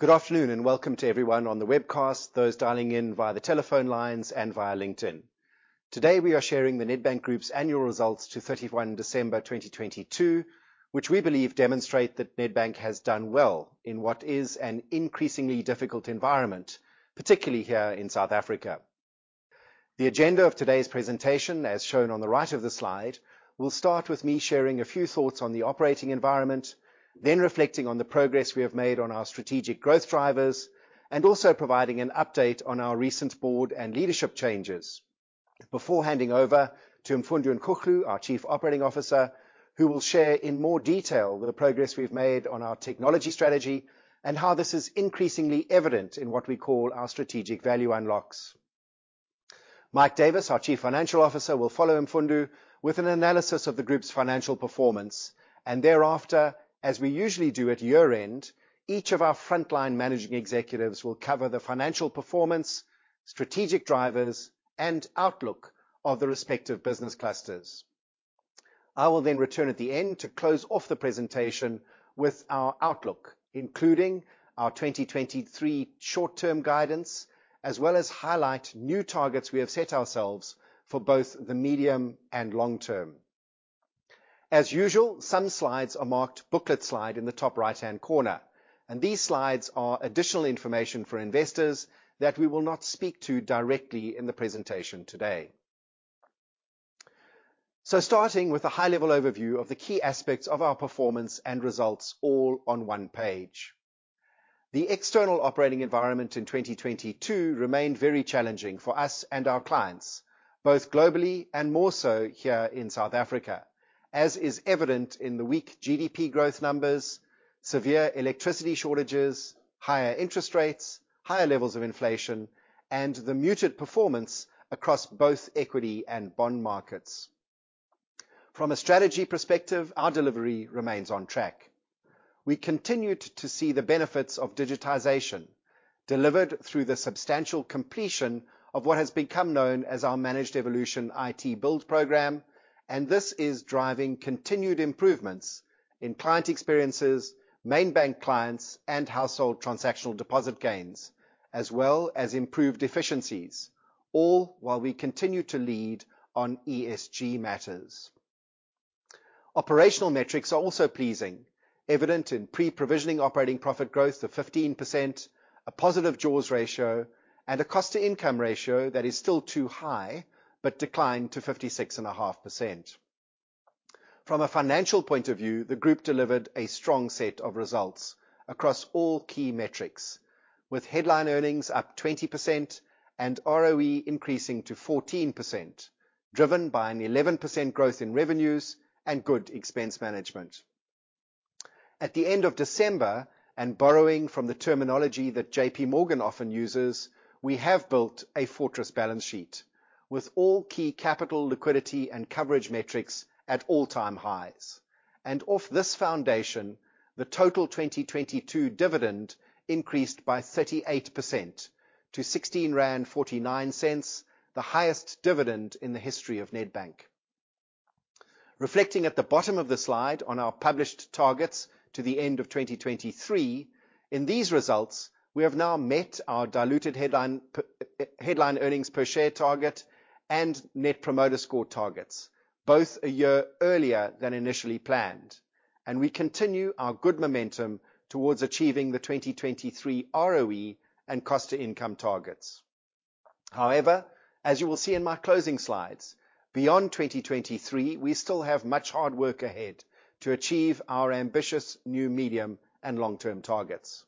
Good afternoon. Welcome to everyone on the webcast, those dialing in via the telephone lines and via LinkedIn. Today, we are sharing the Nedbank Group's annual results to 31 December 2022, which we believe demonstrate that Nedbank has done well in what is an increasingly difficult environment, particularly here in South Africa. The agenda of today's presentation, as shown on the right of the slide, will start with me sharing a few thoughts on the operating environment, then reflecting on the progress we have made on our strategic growth drivers, and also providing an update on our recent board and leadership changes before handing over to Mfundo Nkuhlu, our Chief Operating Officer, who will share in more detail the progress we've made on our technology strategy and how this is increasingly evident in what we call our strategic value unlocks. Mike Davis, our Chief Financial Officer, will follow Mfundu with an analysis of the group's financial performance. Thereafter, as we usually do at year-end, each of our frontline managing executives will cover the financial performance, strategic drivers, and outlook of the respective business clusters. I will return at the end to close off the presentation with our outlook, including our 2023 short-term guidance, as well as highlight new targets we have set ourselves for both the medium and long term. As usual, some slides are marked booklet slide in the top right-hand corner, these slides are additional information for investors that we will not speak to directly in the presentation today. Starting with a high-level overview of the key aspects of our performance and results all on one page. The external operating environment in 2022 remained very challenging for us and our clients, both globally and more so here in South Africa, as is evident in the weak GDP growth numbers, severe electricity shortages, higher interest rates, higher levels of inflation, and the muted performance across both equity and bond markets. From a strategy perspective, our delivery remains on track. We continued to see the benefits of digitization delivered through the substantial completion of what has become known as our Managed Evolution IT Build program. This is driving continued improvements in client experiences, main bank clients, and household transactional deposit gains, as well as improved efficiencies, all while we continue to lead on ESG matters. Operational metrics are also pleasing, evident in pre-provisioning operating profit growth of 15%, a positive jaws ratio, and a cost-to-income ratio that is still too high but declined to 56.5%. From a financial point of view, the group delivered a strong set of results across all key metrics, with headline earnings up 20% and ROE increasing to 14%, driven by an 11% growth in revenues and good expense management. At the end of December, borrowing from the terminology that JP Morgan often uses, we have built a fortress balance sheet with all key capital, liquidity, and coverage metrics at all-time highs. Off this foundation, the total 2022 dividend increased by 38% to 16.49 rand, the highest dividend in the history of Nedbank. Reflecting at the bottom of the slide on our published targets to the end of 2023, in these results, we have now met our diluted headline earnings per share target and Net Promoter Score targets, both a year earlier than initially planned. We continue our good momentum towards achieving the 2023 ROE and cost-to-income targets. As you will see in my closing slides, beyond 2023, we still have much hard work ahead to achieve our ambitious new medium and long-term targets.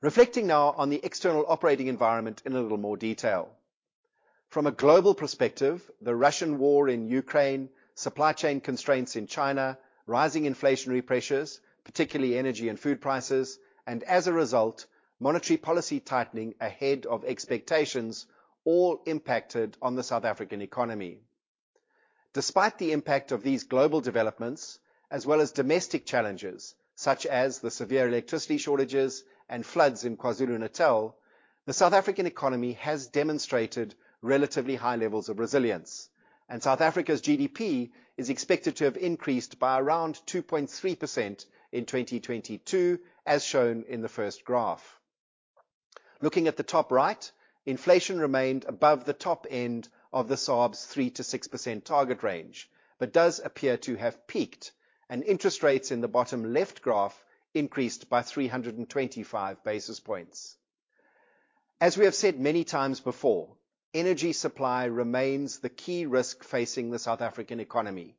Reflecting now on the external operating environment in a little more detail. From a global perspective, the Russian war in Ukraine, supply chain constraints in China, rising inflationary pressures, particularly energy and food prices. As a result, monetary policy tightening ahead of expectations all impacted on the South African economy. Despite the impact of these global developments, as well as domestic challenges, such as the severe electricity shortages and floods in KwaZulu-Natal, the South African economy has demonstrated relatively high levels of resilience. South Africa's GDP is expected to have increased by around 2.3% in 2022, as shown in the first graph. Looking at the top right, inflation remained above the top end of the SARB's 3%-6% target range. Does appear to have peaked. Interest rates in the bottom left graph increased by 325 basis points. As we have said many times before, energy supply remains the key risk facing the South African economy,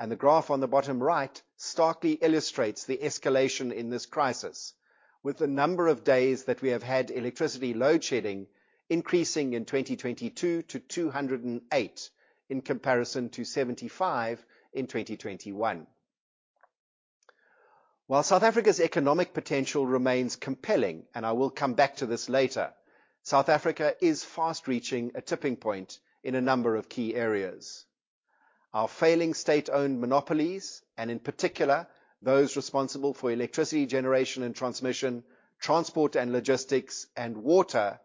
and the graph on the bottom right starkly illustrates the escalation in this crisis, with the number of days that we have had electricity load shedding increasing in 2022 to 208 in comparison to 75 in 2021. While South Africa's economic potential remains compelling, and I will come back to this later, South Africa is fast reaching a tipping point in a number of key areas. Our failing state-owned monopolies, and in particular, those responsible for electricity generation and transmission, transport and logistics, and water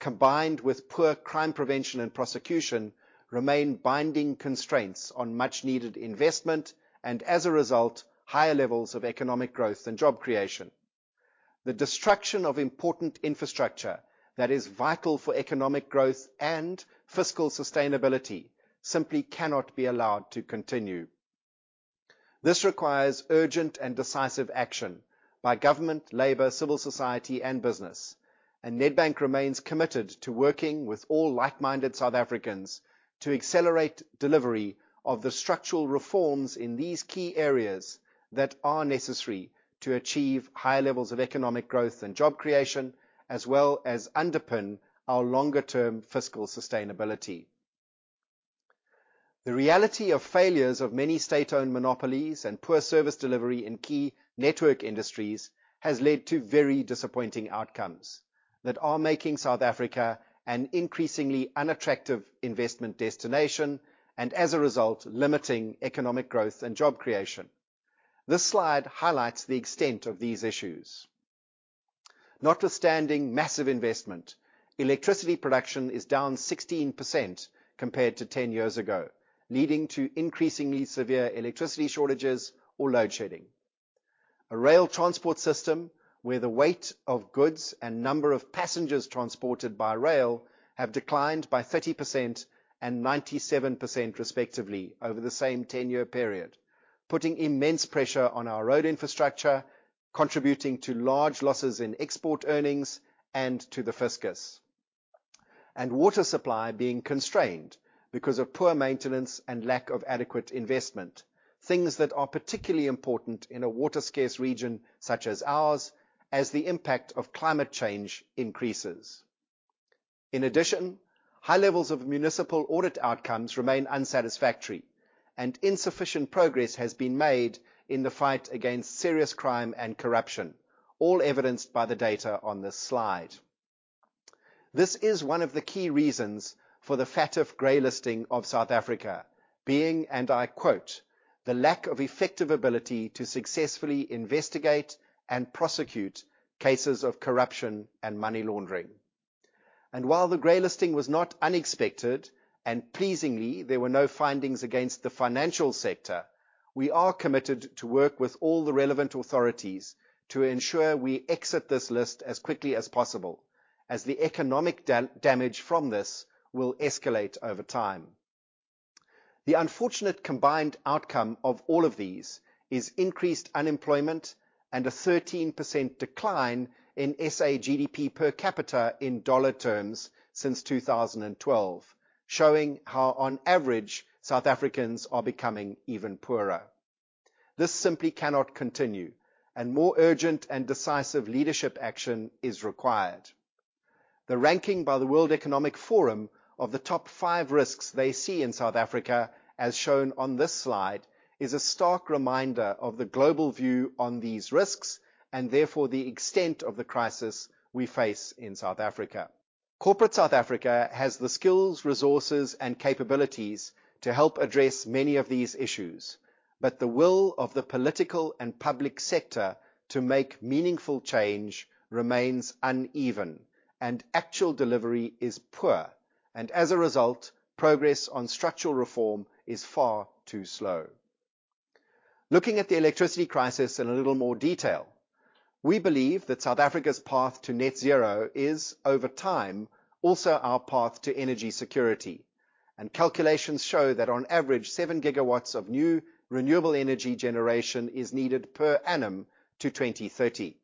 combined with poor crime prevention and prosecution remain binding constraints on much needed investment and, as a result, higher levels of economic growth and job creation. The destruction of important infrastructure that is vital for economic growth and fiscal sustainability simply cannot be allowed to continue. This requires urgent and decisive action by government, labor, civil society and business. Nedbank remains committed to working with all like-minded South Africans to accelerate delivery of the structural reforms in these key areas that are necessary to achieve higher levels of economic growth and job creation, as well as underpin our longer-term fiscal sustainability. The reality of failures of many state-owned monopolies and poor service delivery in key network industries has led to very disappointing outcomes that are making South Africa an increasingly unattractive investment destination and, as a result, limiting economic growth and job creation. This slide highlights the extent of these issues. Notwithstanding massive investment, electricity production is down 16% compared to 10 years ago, leading to increasingly severe electricity shortages or load shedding. A rail transport system where the weight of goods and number of passengers transported by rail have declined by 30% and 97% respectively over the same 10-year period, putting immense pressure on our road infrastructure, contributing to large losses in export earnings and to the fiscus. Water supply being constrained because of poor maintenance and lack of adequate investment, things that are particularly important in a water-scarce region such as ours as the impact of climate change increases. In addition, high levels of municipal audit outcomes remain unsatisfactory, and insufficient progress has been made in the fight against serious crime and corruption, all evidenced by the data on this slide. This is one of the key reasons for the FATF grey listing of South Africa being, and I quote, "The lack of effective ability to successfully investigate and prosecute cases of corruption and money laundering." While the grey listing was not unexpected and pleasingly there were no findings against the financial sector, we are committed to work with all the relevant authorities to ensure we exit this list as quickly as possible as the economic damage from this will escalate over time. The unfortunate combined outcome of all of these is increased unemployment and a 13% decline in SA GDP per capita in dollar terms since 2012, showing how, on average, South Africans are becoming even poorer. This simply cannot continue, and more urgent and decisive leadership action is required. The ranking by the World Economic Forum of the top five risks they see in South Africa, as shown on this slide, is a stark reminder of the global view on these risks and therefore the extent of the crisis we face in South Africa. Corporate South Africa has the skills, resources and capabilities to help address many of these issues. The will of the political and public sector to make meaningful change remains uneven and actual delivery is poor. As a result, progress on structural reform is far too slow. Looking at the electricity crisis in a little more detail, we believe that South Africa's path to net zero is over time, also our path to energy security. Calculations show that on average seven gigawatts of new renewable energy generation is needed per annum to 2030.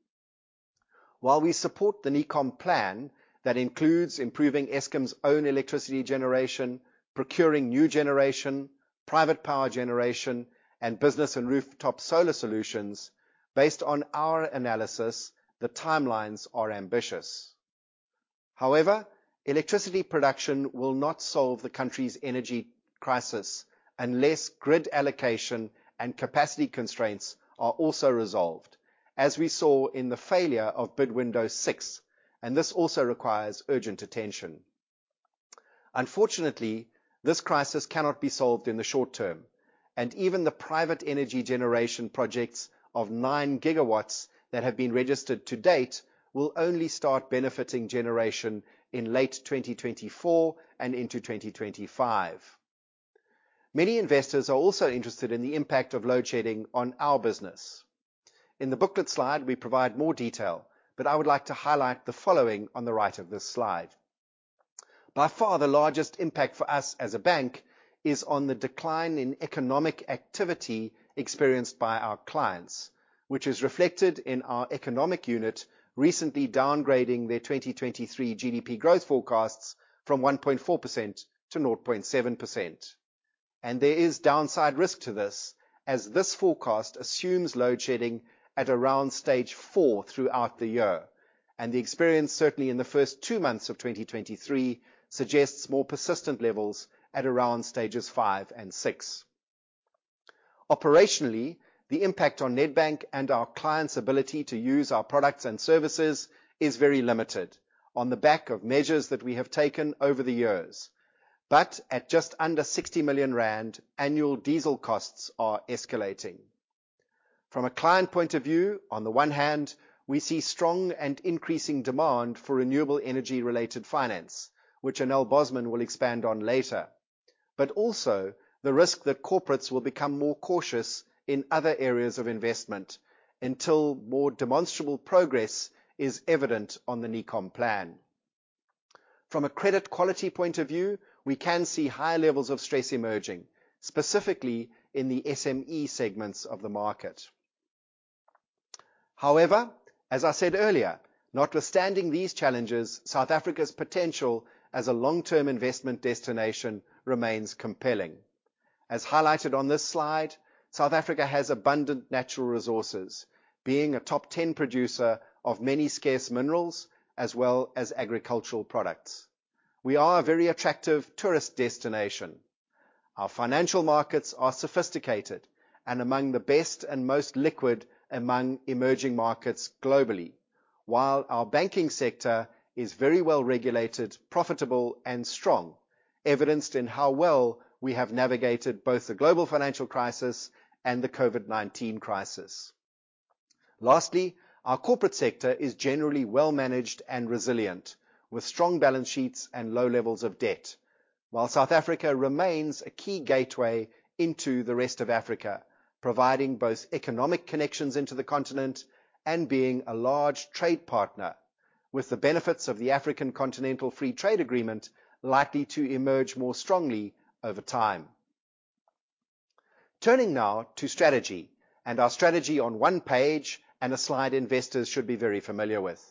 While we support the NECOM plan that includes improving Eskom's own electricity generation, procuring new generation, private power generation, and business and rooftop solar solutions, based on our analysis, the timelines are ambitious. However, electricity production will not solve the country's energy crisis unless grid allocation and capacity constraints are also resolved, as we saw in the failure of Bid Window 6, and this also requires urgent attention. Unfortunately, this crisis cannot be solved in the short term, and even the private energy generation projects of 9 gigawatts that have been registered to date will only start benefiting generation in late 2024 and into 2025. Many investors are also interested in the impact of load shedding on our business. In the booklet slide, we provide more detail, but I would like to highlight the following on the right of this slide. By far the largest impact for us as a bank is on the decline in economic activity experienced by our clients, which is reflected in our economic unit recently downgrading their 2023 GDP growth forecasts from 1.4% to 0.7%. There is downside risk to this, as this forecast assumes load shedding at around stage four throughout the year. The experience, certainly in the first two months of 2023, suggests more persistent levels at around stages five and six. Operationally, the impact on Nedbank and our clients' ability to use our products and services is very limited on the back of measures that we have taken over the years. At just under 60 million rand, annual diesel costs are escalating. From a client point of view, on the one hand, we see strong and increasing demand for renewable energy-related finance, which Anél Bosman will expand on later. Also the risk that corporates will become more cautious in other areas of investment until more demonstrable progress is evident on the NECOM plan. From a credit quality point of view, we can see high levels of stress emerging, specifically in the SME segments of the market. However, as I said earlier, notwithstanding these challenges, South Africa's potential as a long-term investment destination remains compelling. As highlighted on this slide, South Africa has abundant natural resources, being a top 10 producer of many scarce minerals as well as agricultural products. We are a very attractive tourist destination. Our financial markets are sophisticated and among the best and most liquid among emerging markets globally. Our banking sector is very well-regulated, profitable, and strong, evidenced in how well we have navigated both the global financial crisis and the COVID-19 crisis. Lastly, our corporate sector is generally well-managed and resilient, with strong balance sheets and low levels of debt, while South Africa remains a key gateway into the rest of Africa, providing both economic connections into the continent and being a large trade partner, with the benefits of the African Continental Free Trade Agreement likely to emerge more strongly over time. Turning now to strategy, our strategy on one page, and a slide investors should be very familiar with.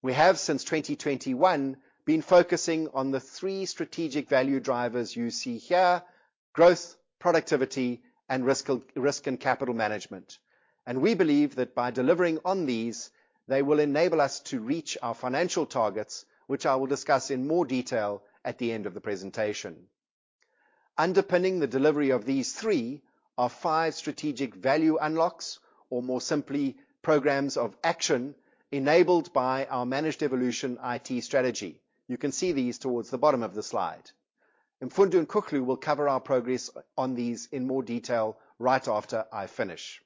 We have, since 2021, been focusing on the three strategic value drivers you see here: growth, productivity, and risk and capital management. We believe that by delivering on these, they will enable us to reach our financial targets, which I will discuss in more detail at the end of the presentation. Underpinning the delivery of these three are five strategic value unlocks, or more simply, programs of action enabled by our Managed Evolution IT strategy. You can see these towards the bottom of the slide. Mfundo Nkuhlu will cover our progress on these in more detail right after I finish.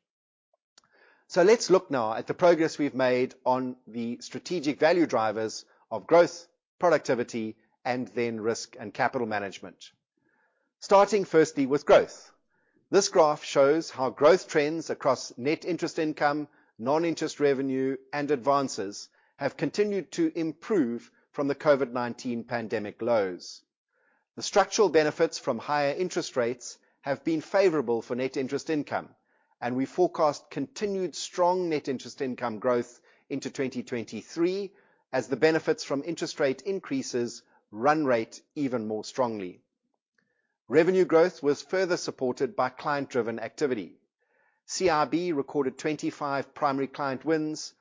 Let's look now at the progress we've made on the strategic value drivers of growth, productivity, and then risk and capital management. Starting firstly with growth. This graph shows how growth trends across net interest income, non-interest revenue, and advances have continued to improve from the COVID-19 pandemic lows. The structural benefits from higher interest rates have been favorable for net interest income. We forecast continued strong net interest income growth into 2023 as the benefits from interest rate increases run rate even more strongly. Revenue growth was further supported by client-driven activity. CIB recorded 25 primary client wins,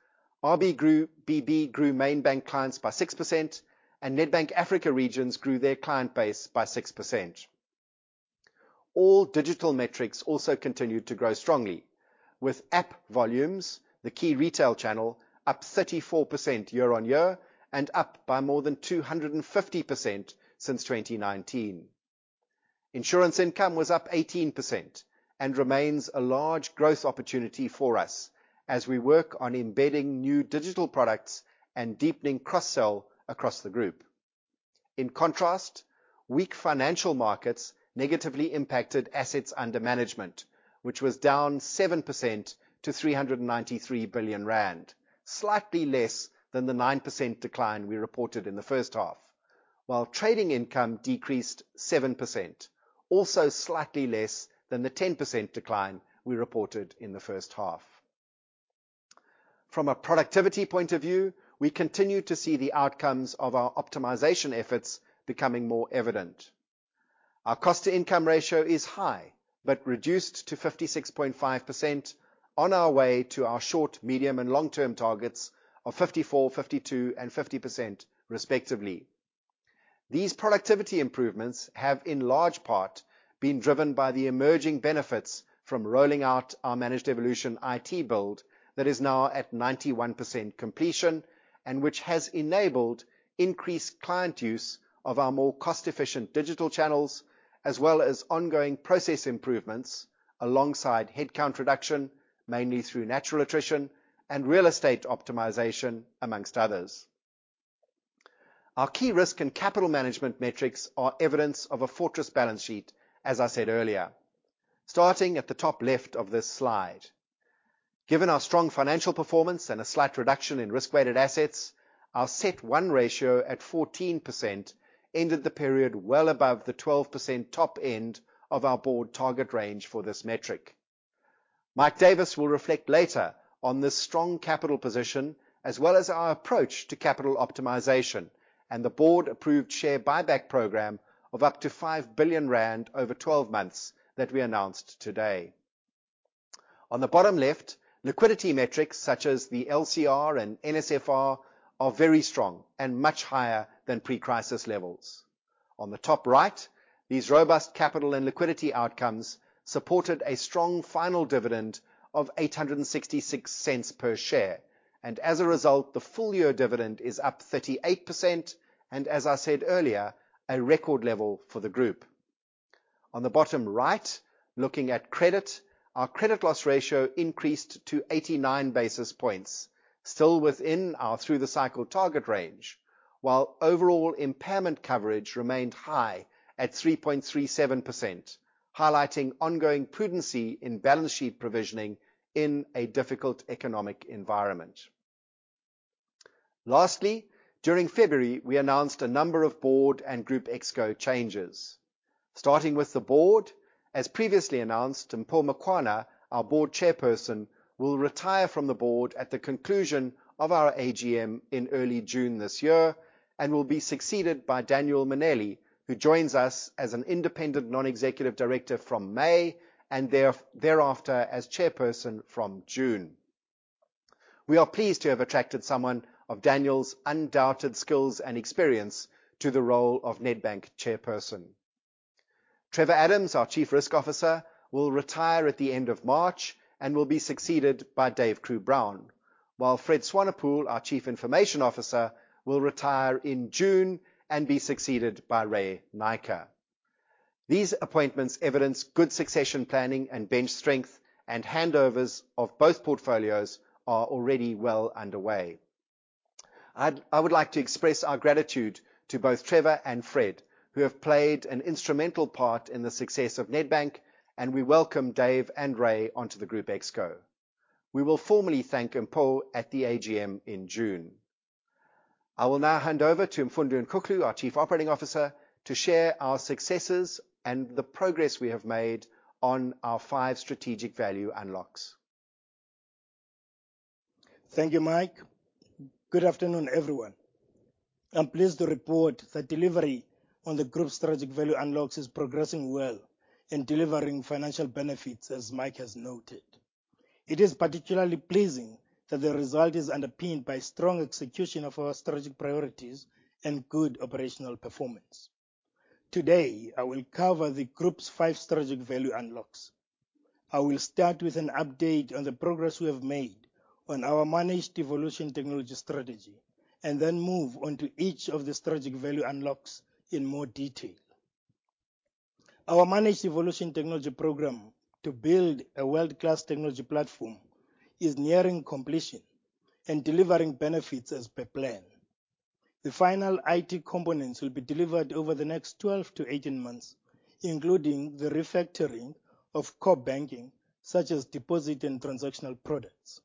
RB grew, BB grew main bank clients by 6%. Nedbank Africa Regions grew their client base by 6%. All digital metrics also continued to grow strongly with app volumes, the key retail channel, up 34% year-over-year. Up by more than 250% since 2019. Insurance income was up 18% and remains a large growth opportunity for us as we work on embedding new digital products and deepening cross-sell across the group. In contrast, weak financial markets negatively impacted assets under management, which was down 7% to 393 billion rand, slightly less than the 9% decline we reported in the first half. Trading income decreased 7%, also slightly less than the 10% decline we reported in the first half. From a productivity point of view, we continue to see the outcomes of our optimization efforts becoming more evident. Our cost-to-income ratio is high but reduced to 56.5% on our way to our short, medium, and long-term targets of 54%, 52%, and 50% respectively. These productivity improvements have, in large part, been driven by the emerging benefits from rolling out our Managed Evolution IT build that is now at 91% completion and which has enabled increased client use of our more cost-efficient digital channels as well as ongoing process improvements alongside headcount reduction, mainly through natural attrition and real estate optimization, amongst others. Our key risk and capital management metrics are evidence of a fortress balance sheet, as I said earlier. Starting at the top left of this slide. Given our strong financial performance and a slight reduction in risk-weighted assets, our CET1 ratio at 14% ended the period well above the 12% top end of our board target range for this metric. Mike Davis will reflect later on this strong capital position, as well as our approach to capital optimization and the board-approved share buyback program of up to 5 billion rand over 12 months that we announced today. On the bottom left, liquidity metrics such as the LCR and NSFR are very strong and much higher than pre-crisis levels. As a result, the full year dividend is up 38% and, as I said earlier, a record level for the group. On the bottom right, looking at credit, our credit loss ratio increased to 89 basis points, still within our through the cycle target range. While overall impairment coverage remained high at 3.37%, highlighting ongoing prudency in balance sheet provisioning in a difficult economic environment. Lastly, during February, we announced a number of board and Group Exco changes. Starting with the board, as previously announced, Mpho Makwana, our Board Chairperson, will retire from the board at the conclusion of our AGM in early June this year, and will be succeeded by Daniel Mminele, who joins us as an independent non-executive director from May and thereafter as Chairperson from June. We are pleased to have attracted someone of Daniel's undoubted skills and experience to the role of Nedbank Chairperson. Trevor Adams, our Chief Risk Officer, will retire at the end of March and will be succeeded by David Crewe-Brown. While Fred Swanepoel, our Chief Information Officer, will retire in June and be succeeded by Ray Naicker. These appointments evidence good succession planning and bench strength and handovers of both portfolios are already well underway. I would like to express our gratitude to both Trevor and Fred, who have played an instrumental part in the success of Nedbank, and we welcome Dave and Ray onto the Group Exco. We will formally thank Mpho at the AGM in June. I will now hand over to Mfundo Nkuhlu, our chief operating officer, to share our successes and the progress we have made on our five strategic value unlocks. Thank you, Mike. Good afternoon, everyone. I'm pleased to report that delivery on the group's strategic value unlocks is progressing well in delivering financial benefits, as Mike has noted. It is particularly pleasing that the result is underpinned by strong execution of our strategic priorities and good operational performance. Today, I will cover the group's five strategic value unlocks. I will start with an update on the progress we have made on our Managed Evolution technology strategy, and then move on to each of the strategic value unlocks in more detail. Our Managed Evolution technology program to build a world-class technology platform is nearing completion and delivering benefits as per plan. The final IT components will be delivered over the next 12-18 months, including the refactoring of core banking, such as deposit and transactional products.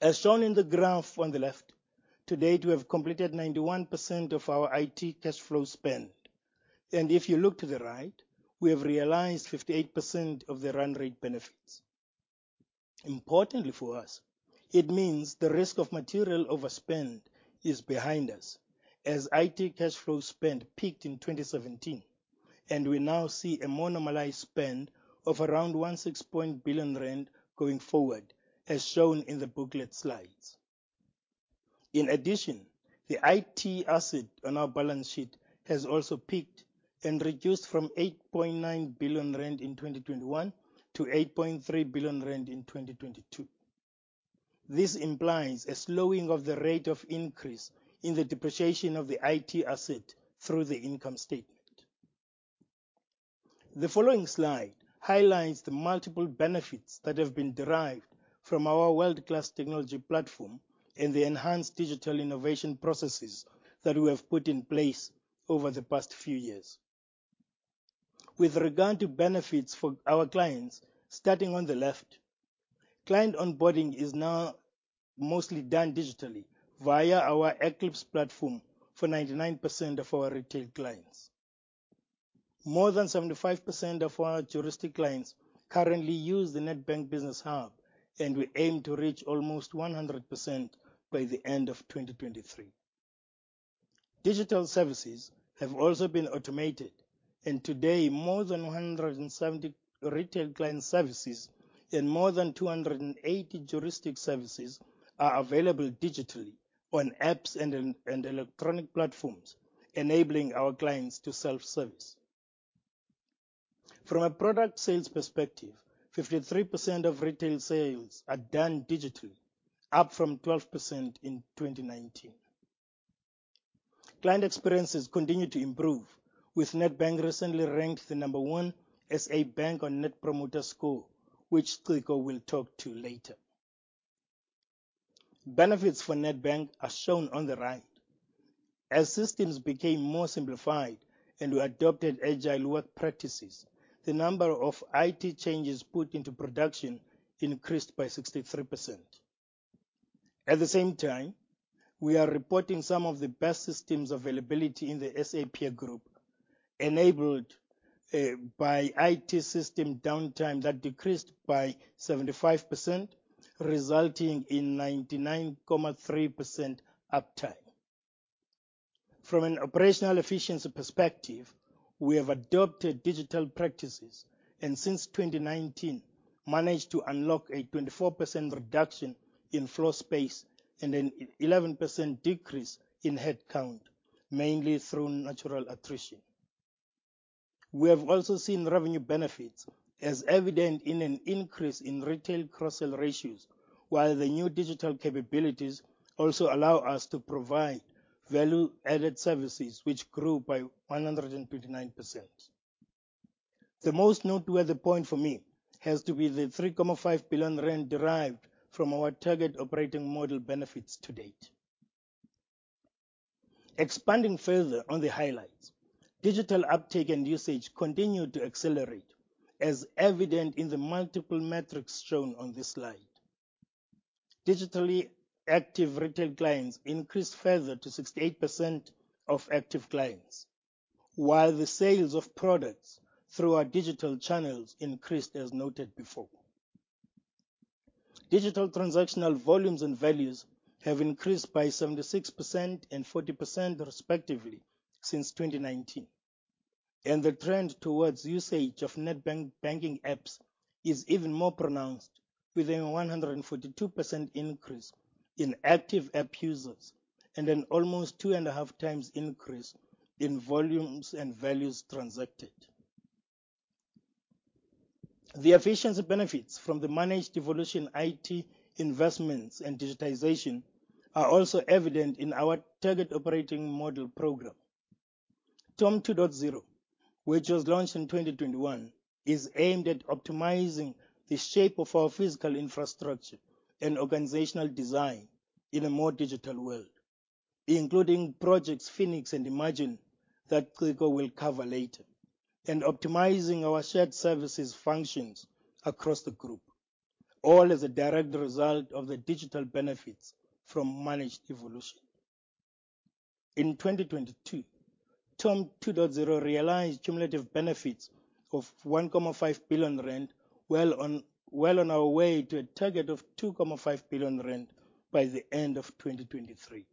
As shown in the graph on the left, to date we have completed 91% of our IT cash flow spend. If you look to the right, we have realized 58% of the run rate benefits. Importantly for us, it means the risk of material overspend is behind us, as IT cash flow spend peaked in 2017, and we now see a more normalized spend of around 16 billion rand going forward, as shown in the booklet slides. In addition, the IT asset on our balance sheet has also peaked and reduced from 8.9 billion rand in 2021 to 8.3 billion rand in 2022. This implies a slowing of the rate of increase in the depreciation of the IT asset through the income statement. The following slide highlights the multiple benefits that have been derived from our world-class technology platform and the enhanced digital innovation processes that we have put in place over the past few years. With regard to benefits for our clients, starting on the left, client onboarding is now mostly done digitally via our Eclipse platform for 99% of our retail clients. More than 75% of our juristic clients currently use the Nedbank Business Hub, and we aim to reach almost 100% by the end of 2023. Digital services have also been automated, and today more than 170 retail client services and more than 280 juristic services are available digitally on apps and electronic platforms, enabling our clients to self-service. From a product sales perspective, 53% of retail sales are done digitally, up from 12% in 2019. Client experiences continue to improve, with Nedbank recently ranked the number one SA bank on Net Promoter Score, which Ciko will talk to later. Benefits for Nedbank are shown on the right. As systems became more simplified and we adopted agile work practices, the number of IT changes put into production increased by 63%. At the same time, we are reporting some of the best systems availability in the SAP group, enabled by IT system downtime that decreased by 75%, resulting in 99.3% uptime. From an operational efficiency perspective, we have adopted digital practices and since 2019, managed to unlock a 24% reduction in floor space and an 11% decrease in headcount, mainly through natural attrition. We have also seen revenue benefits as evident in an increase in retail cross-sell ratios. The new digital capabilities also allow us to provide value-added services, which grew by 159%. The most noteworthy point for me has to be the 3.5 billion rand derived from our Target Operating Model benefits to date. Expanding further on the highlights, digital uptake and usage continued to accelerate as evident in the multiple metrics shown on this slide. Digitally active retail clients increased further to 68% of active clients. The sales of products through our digital channels increased as noted before. Digital transactional volumes and values have increased by 76% and 40% respectively since 2019. The trend towards usage of Nedbank banking apps is even more pronounced with a 142% increase in active app users and an almost two and a half times increase in volumes and values transacted. The efficiency benefits from the Managed Evolution IT investments and digitization are also evident in our Target Operating Model program. TOM 2.0, which was launched in 2021, is aimed at optimizing the shape of our physical infrastructure and organizational design in a more digital world, including Projects Phoenix and Imagine that Ciko will cover later. Optimizing our shared services functions across the group, all as a direct result of the digital benefits from Managed Evolution. In 2022, TOM 2.0 realized cumulative benefits of 1.5 billion rand, well on our way to a target of 2.5 billion rand by the end of 2023.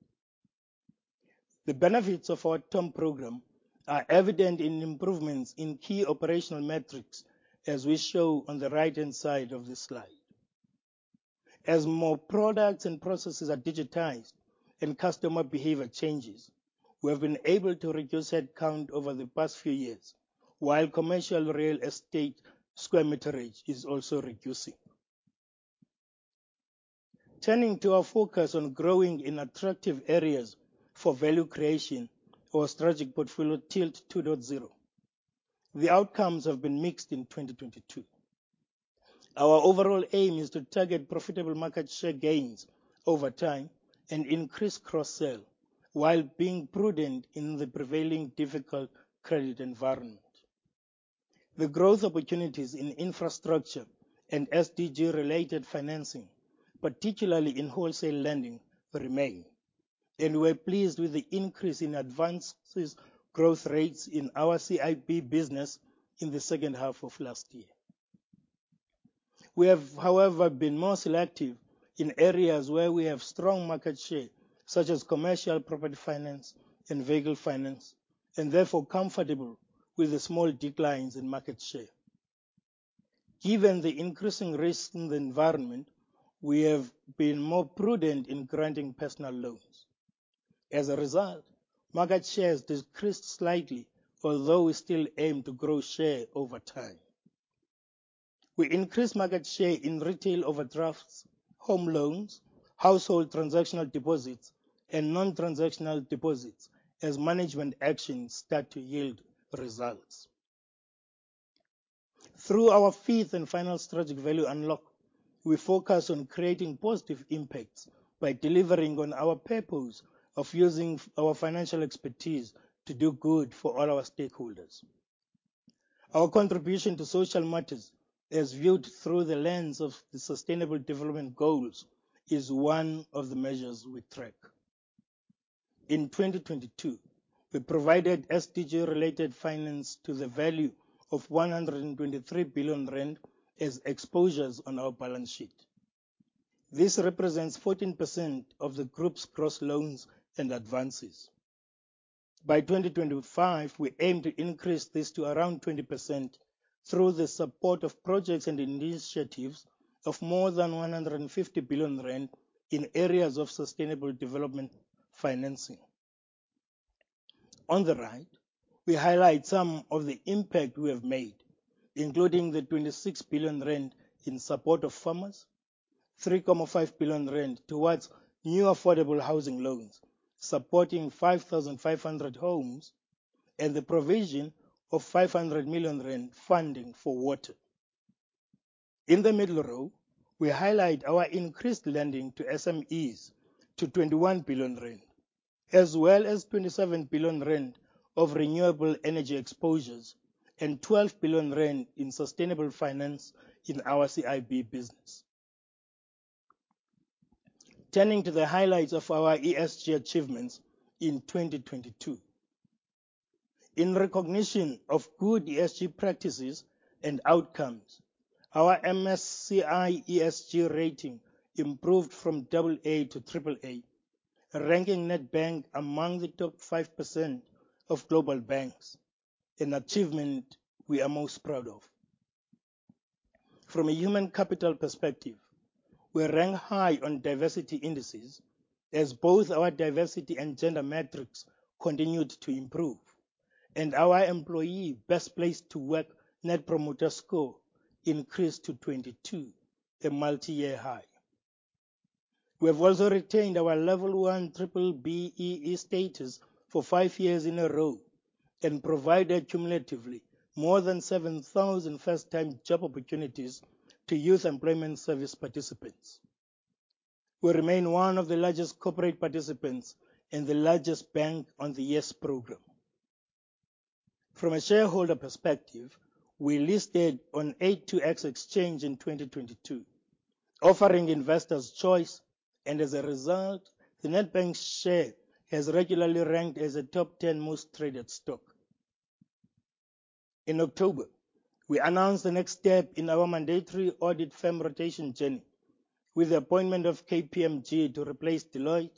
The benefits of our TOM program are evident in improvements in key operational metrics as we show on the right-hand side of this slide. As more products and processes are digitized and customer behavior changes, we have been able to reduce headcount over the past few years, while commercial real estate square meterage is also reducing. Turning to our focus on growing in attractive areas for value creation, our Strategic Portfolio Tilt 2.0. The outcomes have been mixed in 2022. Our overall aim is to target profitable market share gains over time and increase cross-sell while being prudent in the prevailing difficult credit environment. The growth opportunities in infrastructure and SDG related financing, particularly in wholesale lending, remain, and we're pleased with the increase in advances growth rates in our CIB business in the second half of last year. We have, however, been more selective in areas where we have strong market share, such as commercial property finance and vehicle finance, and therefore comfortable with the small declines in market share. Given the increasing risks in the environment, we have been more prudent in granting personal loans. As a result, market share has decreased slightly, although we still aim to grow share over time. We increased market share in retail overdrafts, home loans, household transactional deposits, and non-transactional deposits as management actions start to yield results. Through our fifth and final strategic value unlock, we focus on creating positive impacts by delivering on our purpose of using our financial expertise to do good for all our stakeholders. Our contribution to social matters is viewed through the lens of the Sustainable Development Goals is one of the measures we track. In 2022, we provided SDG related finance to the value of 123 billion rand as exposures on our balance sheet. This represents 14% of the group's gross loans and advances. By 2025, we aim to increase this to around 20% through the support of projects and initiatives of more than 150 billion rand in areas of sustainable development financing. On the right, we highlight some of the impact we have made, including the 26 billion rand in support of farmers, 3.5 billion rand towards new affordable housing loans, supporting 5,500 homes, and the provision of 500 million rand funding for water. In the middle row, we highlight our increased lending to SMEs to 21 billion rand, as well as 27 billion rand of renewable energy exposures, and 12 billion rand in sustainable finance in our CIB business. Turning to the highlights of our ESG achievements in 2022. In recognition of good ESG practices and outcomes, our MSCI ESG rating improved from double A to triple A, ranking Nedbank among the top 5% of global banks, an achievement we are most proud of. From a human capital perspective, we rank high on diversity indices as both our diversity and gender metrics continued to improve, and our employee best place to work Net Promoter Score increased to 22, a multi-year high. We have also retained our level one triple BEE status for 5 years in a row, and provided cumulatively more than 7,000 first time job opportunities to Youth Employment Service participants. We remain one of the largest corporate participants and the largest bank on the YES Programme. From a shareholder perspective, we listed on A2X Markets in 2022, offering investors choice. As a result, the Nedbank share has regularly ranked as a top 10 most traded stock. In October, we announced the next step in our mandatory audit firm rotation journey with the appointment of KPMG to replace Deloitte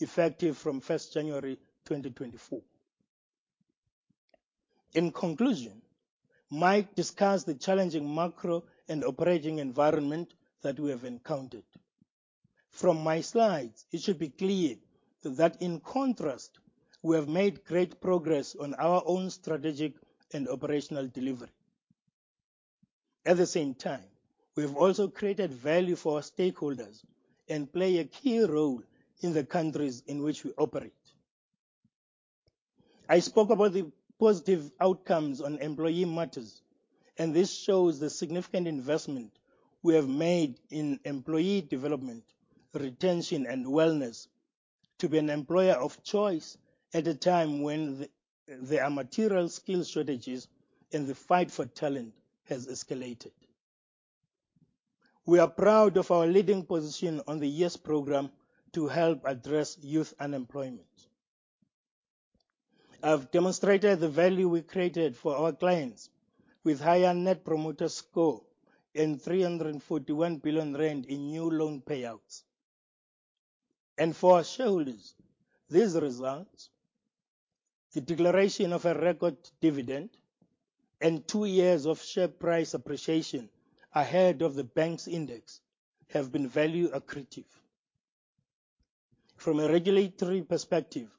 effective from 1st January 2024. In conclusion, Mike discussed the challenging macro and operating environment that we have encountered. From my slides, it should be clear that in contrast, we have made great progress on our own strategic and operational delivery. At the same time, we have also created value for our stakeholders and play a key role in the countries in which we operate. I spoke about the positive outcomes on employee matters. This shows the significant investment we have made in employee development, retention and wellness to be an employer of choice at a time when there are material skill shortages and the fight for talent has escalated. We are proud of our leading position on the YES Programme to help address youth unemployment. I've demonstrated the value we created for our clients with higher Net Promoter Score and ZAR 341 billion in new loan payouts. For our shareholders, these results, the declaration of a record dividend and two years of share price appreciation ahead of the bank's index have been value accretive. From a regulatory perspective,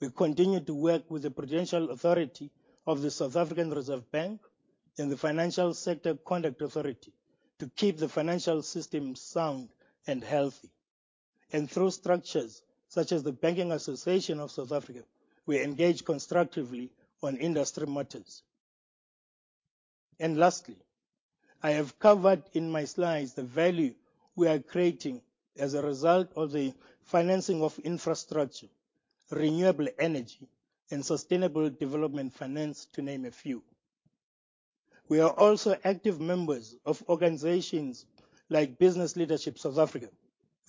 we continue to work with the Prudential Authority of the South African Reserve Bank and the Financial Sector Conduct Authority to keep the financial system sound and healthy. Through structures such as the Banking Association of South Africa, we engage constructively on industry matters. Lastly, I have covered in my slides the value we are creating as a result of the financing of infrastructure, renewable energy and sustainable development finance, to name a few. We are also active members of organizations like Business Leadership South Africa,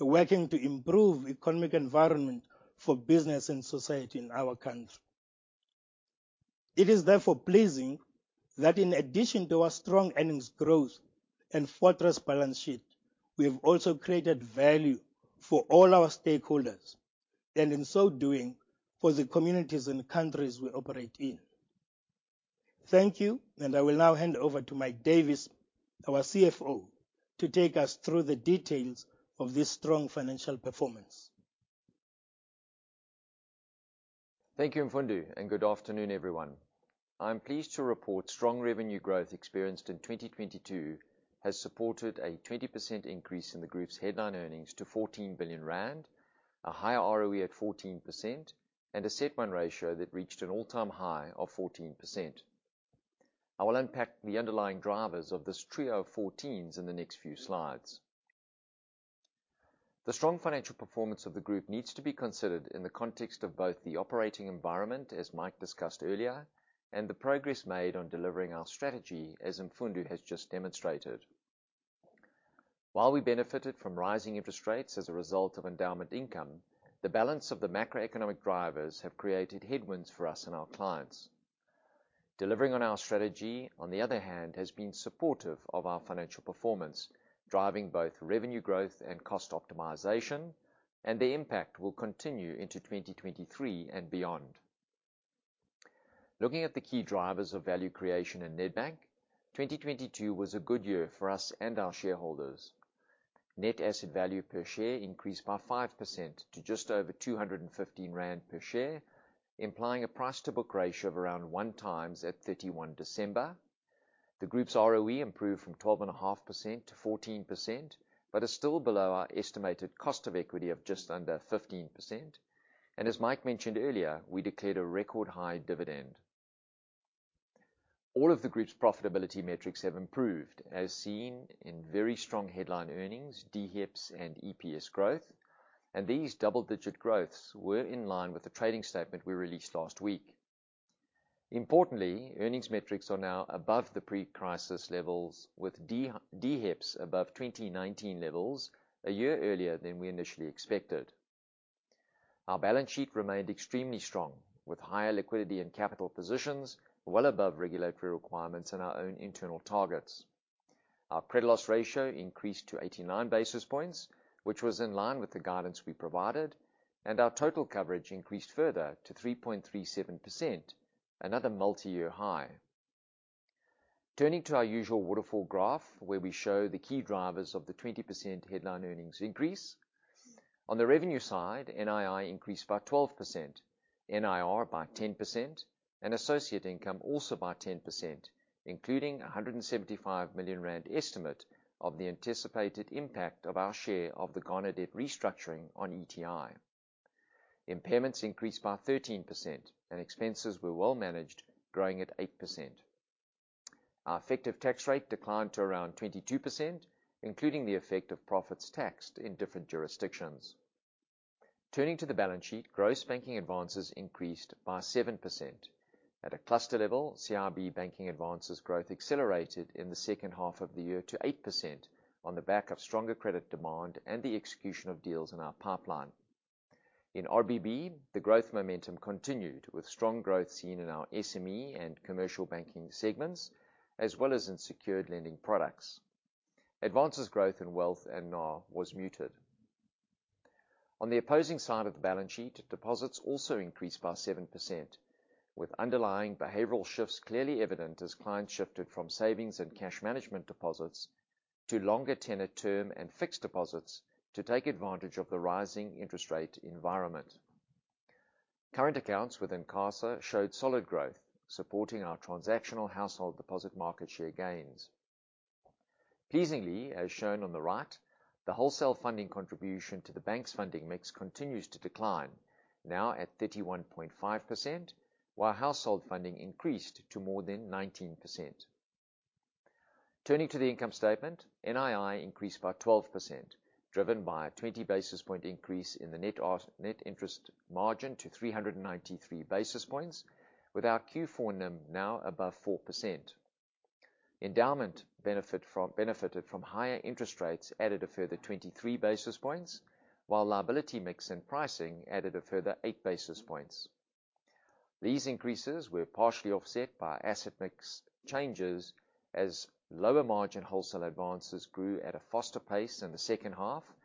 working to improve economic environment for business and society in our country. It is therefore pleasing that in addition to our strong earnings growth and fortress balance sheet, we have also created value for all our stakeholders, and in so doing, for the communities and countries we operate in. Thank you, and I will now hand over to Mike Davis, our CFO, to take us through the details of this strong financial performance. Thank you Mfundo. Good afternoon, everyone. I'm pleased to report strong revenue growth experienced in 2022 has supported a 20% increase in the group's headline earnings to 14 billion rand, a higher ROE at 14% and a CET1 ratio that reached an all-time high of 14%. I will unpack the underlying drivers of this trio of 14s in the next few slides. The strong financial performance of the group needs to be considered in the context of both the operating environment, as Mike discussed earlier, and the progress made on delivering our strategy, as Mfundo has just demonstrated. While we benefited from rising interest rates as a result of endowment income, the balance of the macroeconomic drivers have created headwinds for us and our clients. Delivering on our strategy, on the other hand, has been supportive of our financial performance, driving both revenue growth and cost optimization, and the impact will continue into 2023 and beyond. Looking at the key drivers of value creation in Nedbank, 2022 was a good year for us and our shareholders. Net asset value per share increased by 5% to just over 215 rand per share, implying a price to book ratio of around 1 times at 31 December. The group's ROE improved from 12.5% to 14%, but is still below our estimated cost of equity of just under 15%. As Mike mentioned earlier, we declared a record high dividend. All of the group's profitability metrics have improved, as seen in very strong headline earnings, DHEPS and EPS growth. These double-digit growths were in line with the trading statement we released last week. Importantly, earnings metrics are now above the pre-crisis levels, with DHEPS above 2019 levels a year earlier than we initially expected. Our balance sheet remained extremely strong, with higher liquidity and capital positions well above regulatory requirements and our own internal targets. Our credit loss ratio increased to 89 basis points, which was in line with the guidance we provided. Our total coverage increased further to 3.37%, another multi-year high. Turning to our usual waterfall graph, where we show the key drivers of the 20% headline earnings increase. On the revenue side, NII increased by 12%, NIR by 10%, and associate income also by 10%, including a 175 million rand estimate of the anticipated impact of our share of the Ghana debt restructuring on ETI. Impairments increased by 13% and expenses were well managed, growing at 8%. Our effective tax rate declined to around 22%, including the effect of profits taxed in different jurisdictions. Turning to the balance sheet, gross banking advances increased by 7%. At a cluster level, CIB banking advances growth accelerated in the second half of the year to 8% on the back of stronger credit demand and the execution of deals in our pipeline. In RBB, the growth momentum continued with strong growth seen in our SME and commercial banking segments, as well as in secured lending products. Advances growth in Wealth and NAR was muted. On the opposing side of the balance sheet, deposits also increased by 7%, with underlying behavioral shifts clearly evident as clients shifted from savings and cash management deposits to longer tenored term and fixed deposits to take advantage of the rising interest rate environment. Current accounts within CASA showed solid growth, supporting our transactional household deposit market share gains. Pleasingly, as shown on the right, the wholesale funding contribution to the bank's funding mix continues to decline, now at 31.5%, while household funding increased to more than 19%. Turning to the income statement, NII increased by 12%, driven by a 20 basis point increase in the net interest margin to 393 basis points, with our Q4 NIM now above 4%. Endowment benefited from higher interest rates added a further 23 basis points, while liability mix and pricing added a further 8 basis points. These increases were partially offset by asset mix changes as lower margin wholesale advances grew at a faster pace in the second half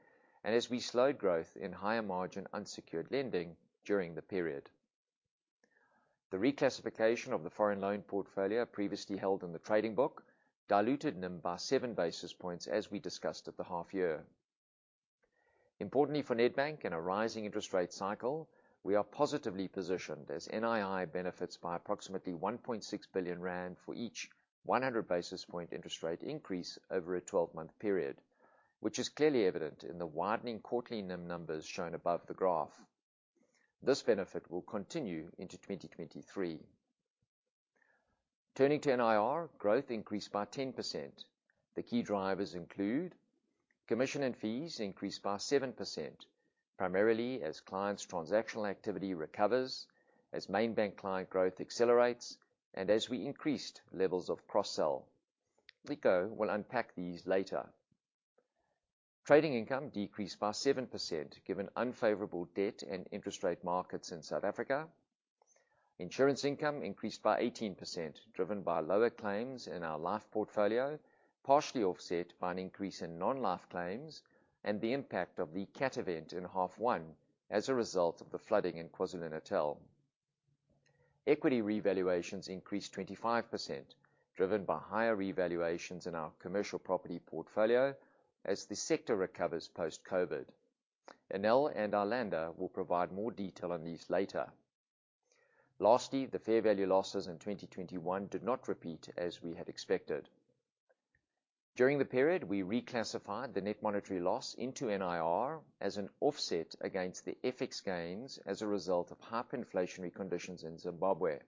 and as we slowed growth in higher margin unsecured lending during the period. The reclassification of the foreign loan portfolio previously held in the trading book diluted NIM by 7 basis points, as we discussed at the half year. Importantly for Nedbank, in a rising interest rate cycle, we are positively positioned as NII benefits by approximately 1.6 billion rand for each 100 basis point interest rate increase over a 12-month period, which is clearly evident in the widening quarterly NIM numbers shown above the graph. This benefit will continue into 2023. Turning to NIR, growth increased by 10%. The key drivers include commission and fees increased by 7%, primarily as clients transactional activity recovers, as main bank client growth accelerates, and as we increased levels of cross-sell. Ciko will unpack these later. Trading income decreased by 7% given unfavorable debt and interest rate markets in South Africa. Insurance income increased by 18%, driven by lower claims in our life portfolio, partially offset by an increase in non-life claims and the impact of the Cat event in half 1 as a result of the flooding in KwaZulu-Natal. Equity revaluations increased 25%, driven by higher revaluations in our commercial property portfolio as the sector recovers post-COVID. Anél and Iolanda will provide more detail on these later. Lastly, the fair value losses in 2021 did not repeat as we had expected. During the period, we reclassified the net monetary loss into NIR as an offset against the FX gains as a result of hyperinflationary conditions in Zimbabwe.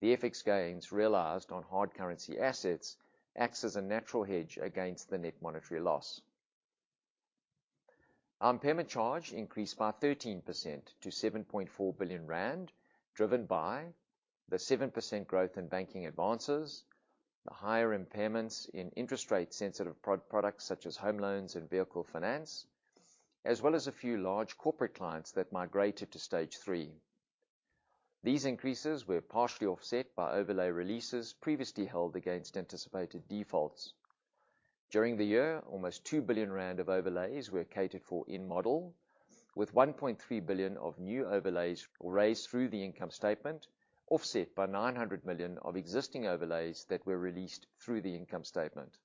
The FX gains realized on hard currency assets acts as a natural hedge against the net monetary loss. Our impairment charge increased by 13% to 7.4 billion rand, driven by the 7% growth in banking advances, the higher impairments in interest rate sensitive products such as home loans and vehicle finance, as well as a few large corporate clients that migrated to Stage 3. These increases were partially offset by overlay releases previously held against anticipated defaults. During the year, almost 2 billion rand of overlays were catered for in model, with 1.3 billion of new overlays raised through the income statement, offset by 900 million of existing overlays that were released through the income statement.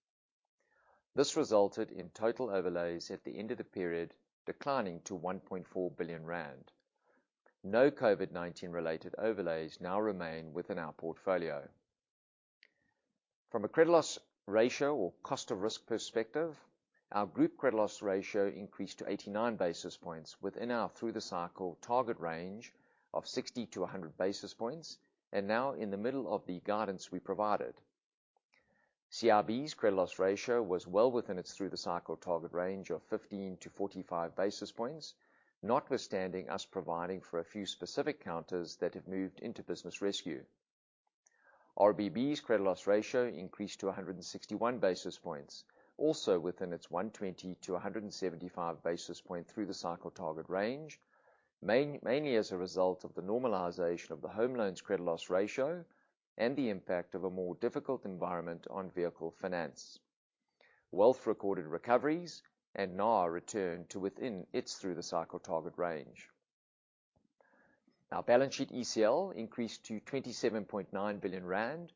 This resulted in total overlays at the end of the period declining to 1.4 billion rand. No COVID-19 related overlays now remain within our portfolio. From a credit loss ratio or cost of risk perspective, our group credit loss ratio increased to 89 basis points within our through the cycle target range of 60-100 basis points, and now in the middle of the guidance we provided. CIB's credit loss ratio was well within its through the cycle target range of 15-45 basis points, notwithstanding us providing for a few specific counters that have moved into business rescue. RBB's credit loss ratio increased to 161 basis points, also within its 120-175 basis points through the cycle target range, mainly as a result of the normalization of the home loans credit loss ratio and the impact of a more difficult environment on vehicle finance. Wealth recorded recoveries and NAR returned to within its through the cycle target range. Our balance sheet ECL increased to 27.9 billion rand,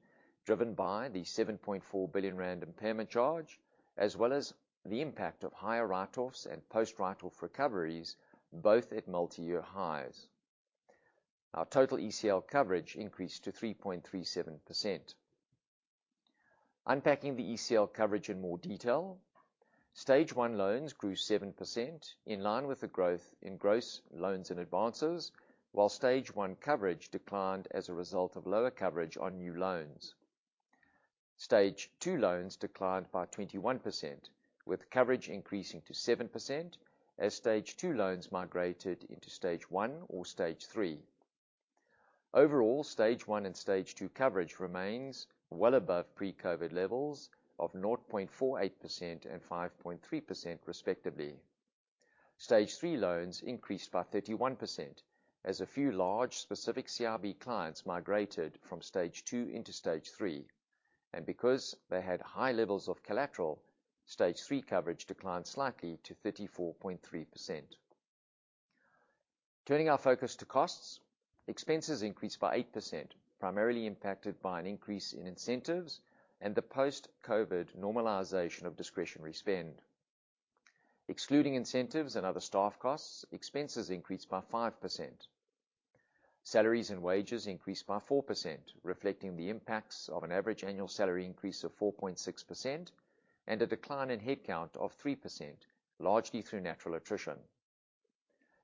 driven by the 7.4 billion rand impairment charge, as well as the impact of higher write-offs and post write-off recoveries, both at multi-year highs. Our total ECL coverage increased to 3.37%. Unpacking the ECL coverage in more detail, stage one loans grew 7% in line with the growth in gross loans and advances. While stage one coverage declined as a result of lower coverage on new loans. Stage two loans declined by 21%, with coverage increasing to 7% as stage two loans migrated into stage one or stage three. Overall, stage one and stage two coverage remains well above pre-COVID levels of 0.48% and 5.3% respectively. Stage three loans increased by 31% as a few large specific CIB clients migrated from stage two into stage three. Because they had high levels of collateral, stage three coverage declined slightly to 34.3%. Turning our focus to costs. Expenses increased by 8%, primarily impacted by an increase in incentives and the post-COVID normalization of discretionary spend. Excluding incentives and other staff costs, expenses increased by 5%. Salaries and wages increased by 4%, reflecting the impacts of an average annual salary increase of 4.6% and a decline in headcount of 3%, largely through natural attrition.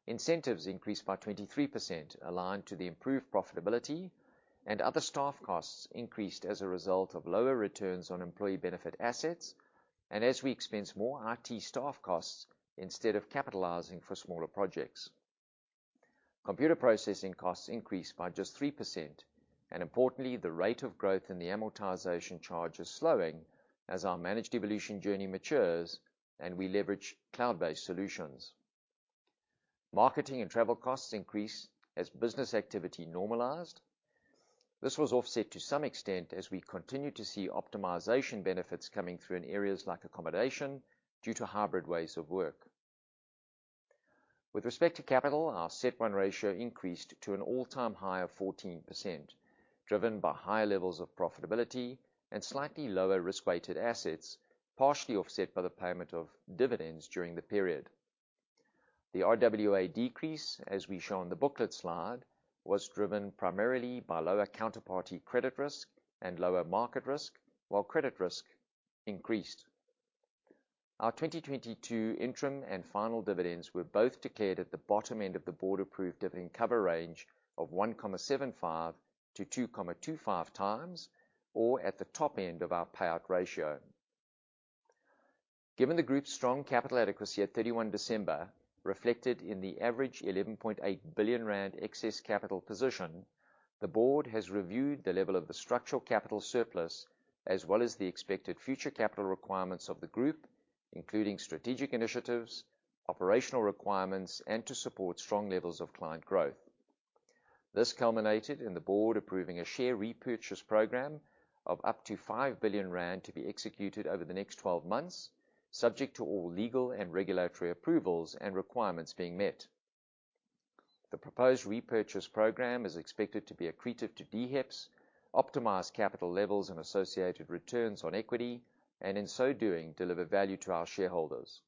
Incentives increased by 23% aligned to the improved profitability. Other staff costs increased as a result of lower returns on employee benefit assets, and as we expense more IT staff costs instead of capitalizing for smaller projects. Computer processing costs increased by just 3%. Importantly, the rate of growth in the amortization charge is slowing as our Managed Evolution journey matures and we leverage cloud-based solutions. Marketing and travel costs increased as business activity normalized. This was offset to some extent as we continue to see optimization benefits coming through in areas like accommodation due to hybrid ways of work. With respect to capital, our CET1 ratio increased to an all-time high of 14%, driven by higher levels of profitability and slightly lower risk-weighted assets, partially offset by the payment of dividends during the period. The RWA decrease, as we show on the booklet slide, was driven primarily by lower counterparty credit risk and lower market risk, while credit risk increased. Our 2022 interim and final dividends were both declared at the bottom end of the board approved dividend cover range of 1.75-2.25 times, or at the top end of our payout ratio. Given the Group's strong capital adequacy at 31 December reflected in the average 11.8 billion rand excess capital position, the Board has reviewed the level of the structural capital surplus as well as the expected future capital requirements of the Group, including strategic initiatives, operational requirements, and to support strong levels of client growth. This culminated in the Board approving a share repurchase program of up to 5 billion rand to be executed over the next 12 months, subject to all legal and regulatory approvals and requirements being met. The proposed repurchase program is expected to be accretive to BHEPS, optimize capital levels and associated returns on equity, and in so doing, deliver value to our shareholders.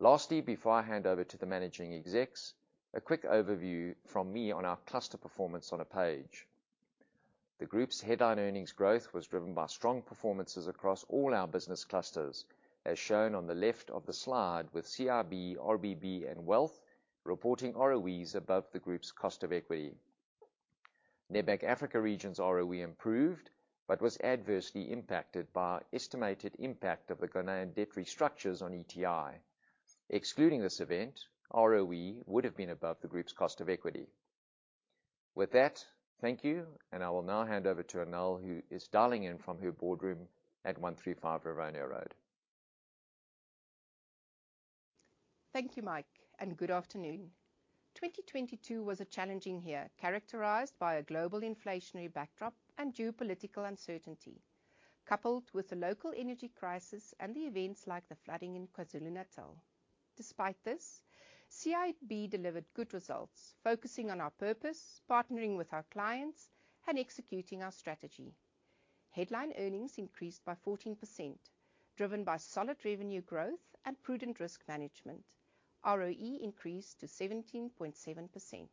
Lastly, before I hand over to the managing execs, a quick overview from me on our cluster performance on a page. The group's headline earnings growth was driven by strong performances across all our business clusters, as shown on the left of the slide with CIB, RBB, and Wealth reporting ROEs above the group's cost of equity. Nedbank Africa Regions ROE improved but was adversely impacted by estimated impact of the Ghanaian debt restructures on ETI. Excluding this event, ROE would have been above the group's cost of equity. With that, thank you, and I will now hand over to Anél, who is dialing in from her boardroom at 135 Rivonia Road. Thank you, Mike. Good afternoon. 2022 was a challenging year, characterized by a global inflationary backdrop and geopolitical uncertainty, coupled with the local energy crisis and the events like the flooding in KwaZulu-Natal. Despite this, CIB delivered good results, focusing on our purpose, partnering with our clients, and executing our strategy. Headline earnings increased by 14%, driven by solid revenue growth and prudent risk management. ROE increased to 17.7%.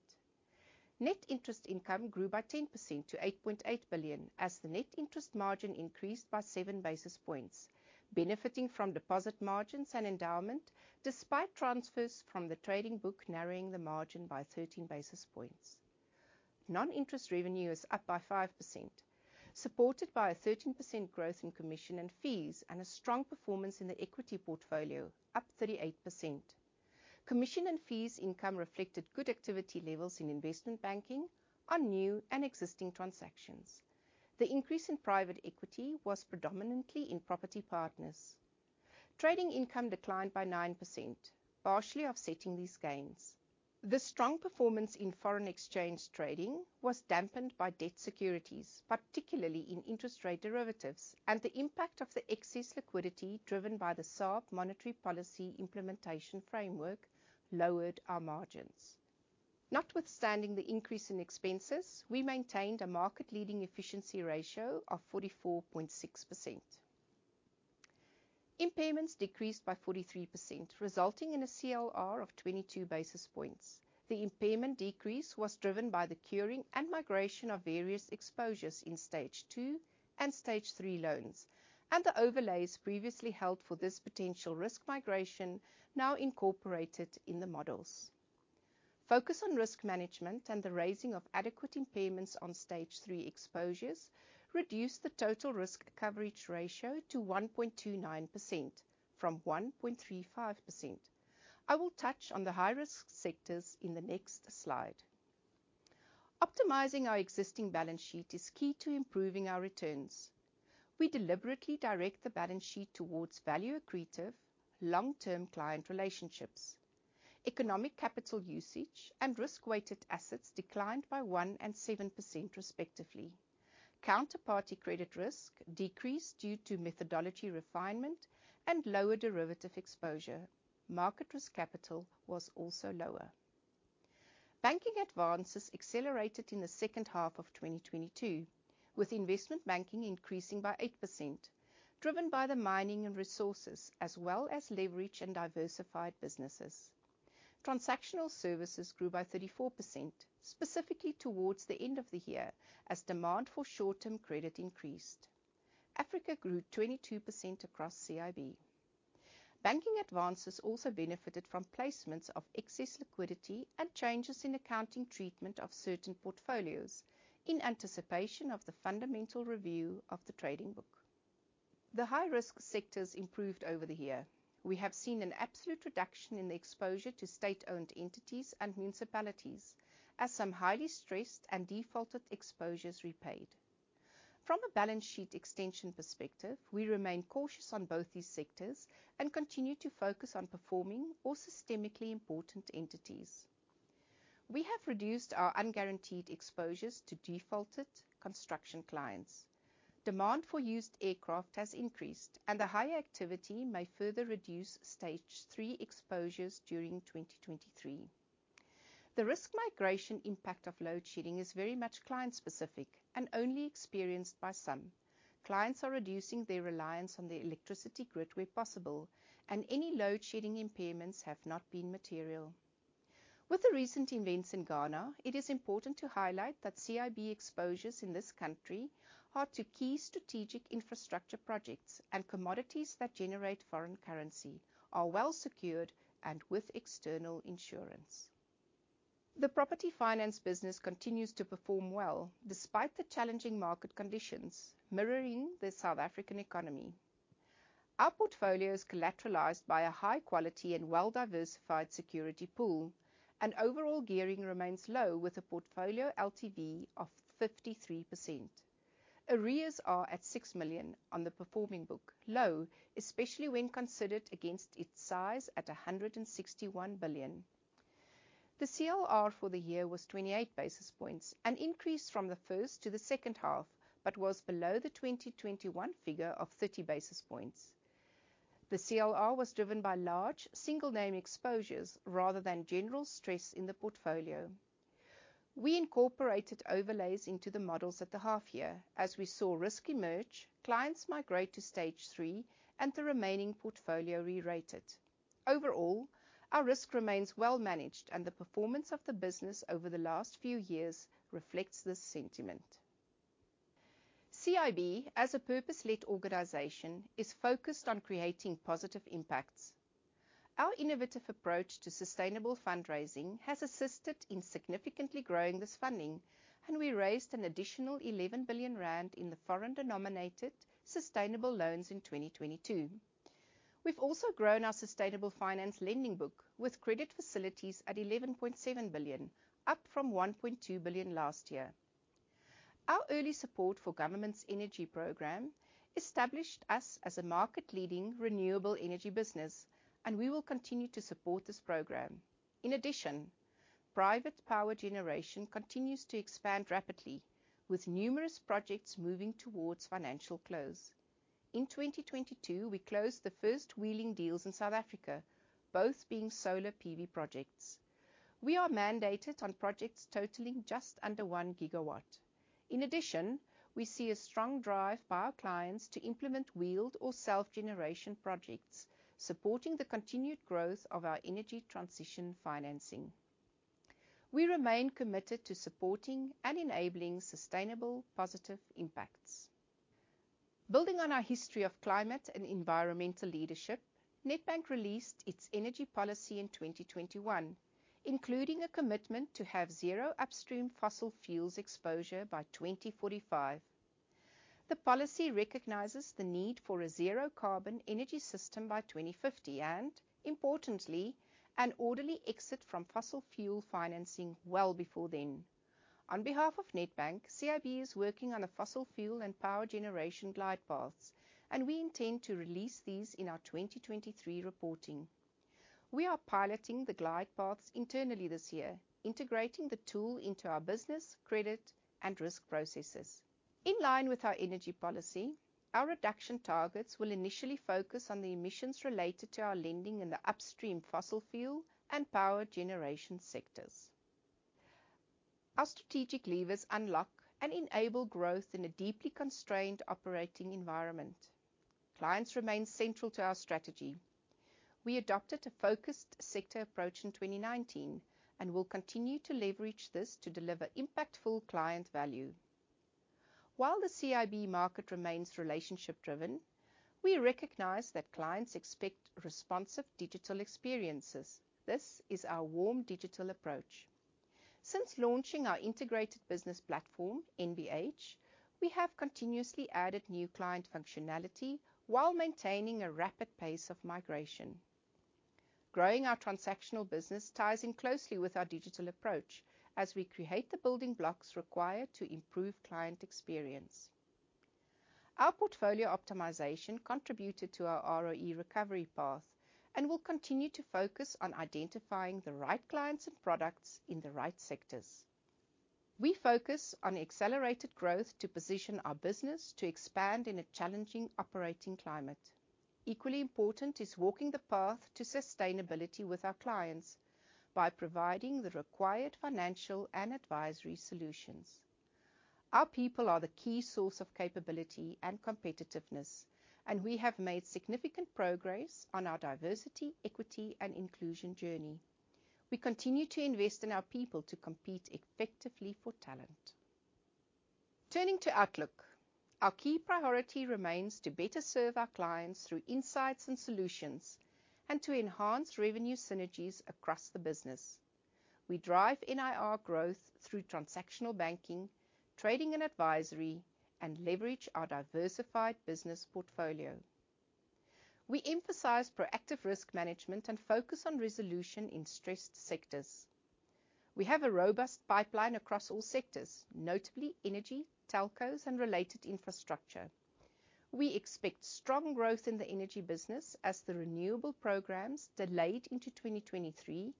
Net interest income grew by 10% to 8.8 billion as the net interest margin increased by 7 basis points, benefiting from deposit margins and endowment despite transfers from the trading book narrowing the margin by 13 basis points. Non-interest revenue is up by 5%, supported by a 13% growth in commission and fees and a strong performance in the equity portfolio up 38%. Commission and fees income reflected good activity levels in investment banking on new and existing transactions. The increase in private equity was predominantly in Property Partners. Trading income declined by 9%, partially offsetting these gains. The strong performance in foreign exchange trading was dampened by debt securities, particularly in interest rate derivatives. The impact of the excess liquidity driven by the SARB monetary policy implementation framework lowered our margins. Notwithstanding the increase in expenses, we maintained a market-leading efficiency ratio of 44.6%. Impairments decreased by 43%, resulting in a CLR of 22 basis points. The impairment decrease was driven by the curing and migration of various exposures in Stage 2 and Stage 3 loans, and the overlays previously held for this potential risk migration now incorporated in the models. Focus on risk management and the raising of adequate impairments on stage three exposures reduced the total risk coverage ratio to 1.29% from 1.35%. I will touch on the high-risk sectors in the next slide. Optimizing our existing balance sheet is key to improving our returns. We deliberately direct the balance sheet towards value-accretive, long-term client relationships. Economic capital usage and risk-weighted assets declined by 1% and 7% respectively. Counterparty credit risk decreased due to methodology refinement and lower derivative exposure. Market risk capital was also lower. Banking advances accelerated in the second half of 2022, with investment banking increasing by 8%, driven by the mining and resources as well as leverage in diversified businesses. Transactional services grew by 34%, specifically towards the end of the year, as demand for short-term credit increased. Africa grew 22% across CIB. Banking advances also benefited from placements of excess liquidity and changes in accounting treatment of certain portfolios in anticipation of the Fundamental Review of the Trading Book. The high-risk sectors improved over the year. We have seen an absolute reduction in the exposure to state-owned entities and municipalities as some highly stressed and defaulted exposures repaid. From a balance sheet extension perspective, we remain cautious on both these sectors and continue to focus on performing or systemically important entities. We have reduced our unguaranteed exposures to defaulted construction clients. Demand for used aircraft has increased, and the higher activity may further reduce stage three exposures during 2023. The risk migration impact of load shedding is very much client specific and only experienced by some. Clients are reducing their reliance on the electricity grid where possible, and any load-shedding impairments have not been material. With the recent events in Ghana, it is important to highlight that CIB exposures in this country are to key strategic infrastructure projects and commodities that generate foreign currency are well secured and with external insurance. The property finance business continues to perform well despite the challenging market conditions mirroring the South African economy. Our portfolio is collateralized by a high quality and well-diversified security pool and overall gearing remains low with a portfolio LTV of 53%. Arrears are at 6 million on the performing book. Low, especially when considered against its size at 161 billion. The CLR for the year was 28 basis points, an increase from the first to the second half, but was below the 2021 figure of 30 basis points. The CLR was driven by large single name exposures rather than general stress in the portfolio. We incorporated overlays into the models at the half year as we saw risk emerge, clients migrate to stage three, and the remaining portfolio re-rated. Overall, our risk remains well managed and the performance of the business over the last few years reflects this sentiment. CIB, as a purpose-led organization, is focused on creating positive impacts. Our innovative approach to sustainable fundraising has assisted in significantly growing this funding, and we raised an additional 11 billion rand in the foreign-denominated sustainable loans in 2022. We've also grown our sustainable finance lending book with credit facilities at 11.7 billion, up from 1.2 billion last year. Our early support for government's energy program established us as a market-leading renewable energy business, and we will continue to support this program. In addition, private power generation continues to expand rapidly, with numerous projects moving towards financial close. In 2022, we closed the first wheeling deals in South Africa, both being solar PV projects. We are mandated on projects totaling just under 1 gigawatt. In addition, we see a strong drive by our clients to implement wheeled or self-generation projects supporting the continued growth of our energy transition financing. We remain committed to supporting and enabling sustainable positive impacts. Building on our history of climate and environmental leadership, Nedbank released its energy policy in 2021, including a commitment to have zero upstream fossil fuels exposure by 2045. The policy recognizes the need for a zero carbon energy system by 2050 and importantly, an orderly exit from fossil fuel financing well before then. On behalf of Nedbank, CIB is working on a fossil fuel and power generation glide paths, and we intend to release these in our 2023 reporting. We are piloting the glide paths internally this year, integrating the tool into our business, credit, and risk processes. In line with our energy policy, our reduction targets will initially focus on the emissions related to our lending in the upstream fossil fuel and power generation sectors. Our strategic levers unlock and enable growth in a deeply constrained operating environment. Clients remain central to our strategy. We adopted a focused sector approach in 2019 and will continue to leverage this to deliver impactful client value. While the CIB market remains relationship driven, we recognize that clients expect responsive digital experiences. This is our warm digital approach. Since launching our integrated business platform, NBH, we have continuously added new client functionality while maintaining a rapid pace of migration. Growing our transactional business ties in closely with our digital approach as we create the building blocks required to improve client experience. Our portfolio optimization contributed to our ROE recovery path and will continue to focus on identifying the right clients and products in the right sectors. We focus on accelerated growth to position our business to expand in a challenging operating climate. Equally important is walking the path to sustainability with our clients by providing the required financial and advisory solutions. Our people are the key source of capability and competitiveness, and we have made significant progress on our diversity, equity, and inclusion journey. We continue to invest in our people to compete effectively for talent. Turning to outlook. Our key priority remains to better serve our clients through insights and solutions, and to enhance revenue synergies across the business. We drive NIR growth through transactional banking, trading, and advisory, and leverage our diversified business portfolio. We emphasize proactive risk management and focus on resolution in stressed sectors. We have a robust pipeline across all sectors, notably energy, telcos, and related infrastructure. We expect strong growth in the energy business as the renewable programs delayed into 2023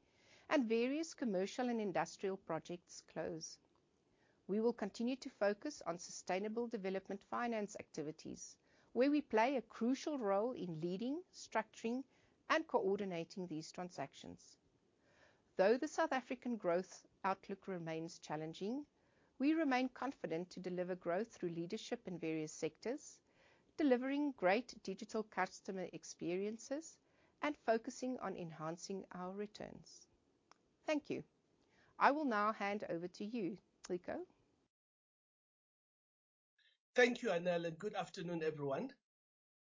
and various commercial and industrial projects close. We will continue to focus on sustainable development finance activities, where we play a crucial role in leading, structuring, and coordinating these transactions. Though the South African growth outlook remains challenging, we remain confident to deliver growth through leadership in various sectors, delivering great digital customer experiences, and focusing on enhancing our returns. Thank you. I will now hand over to you, Xolisa. Thank you, Anél, good afternoon, everyone.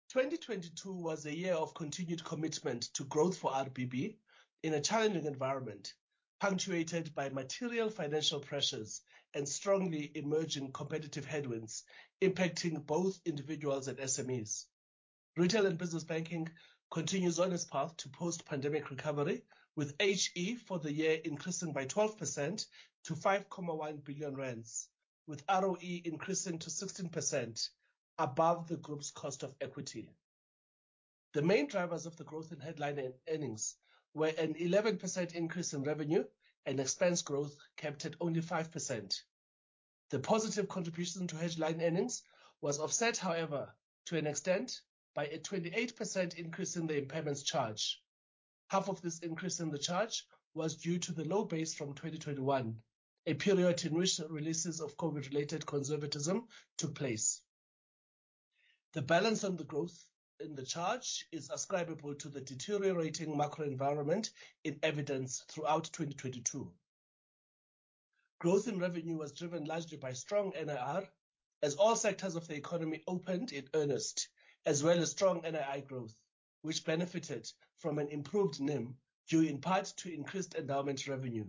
2022 was a year of continued commitment to growth for RBB in a challenging environment, punctuated by material financial pressures and strongly emerging competitive headwinds impacting both individuals and SMEs. Retail and Business Banking continues on its path to post-pandemic recovery, with HE for the year increasing by 12% to 5.1 billion rand, with ROE increasing to 16% above the group's cost of equity. The main drivers of the growth in headline earnings were an 11% increase in revenue and expense growth capped at only 5%. The positive contribution to headline earnings was offset, however, to an extent by a 28% increase in the impairments charge. Half of this increase in the charge was due to the low base from 2021, a period in which releases of COVID-related conservatism took place. The balance of the growth in the charge is ascribable to the deteriorating macro environment in evidence throughout 2022. Growth in revenue was driven largely by strong NIR as all sectors of the economy opened in earnest, as well as strong NII growth, which benefited from an improved NIM due in part to increased endowment revenue.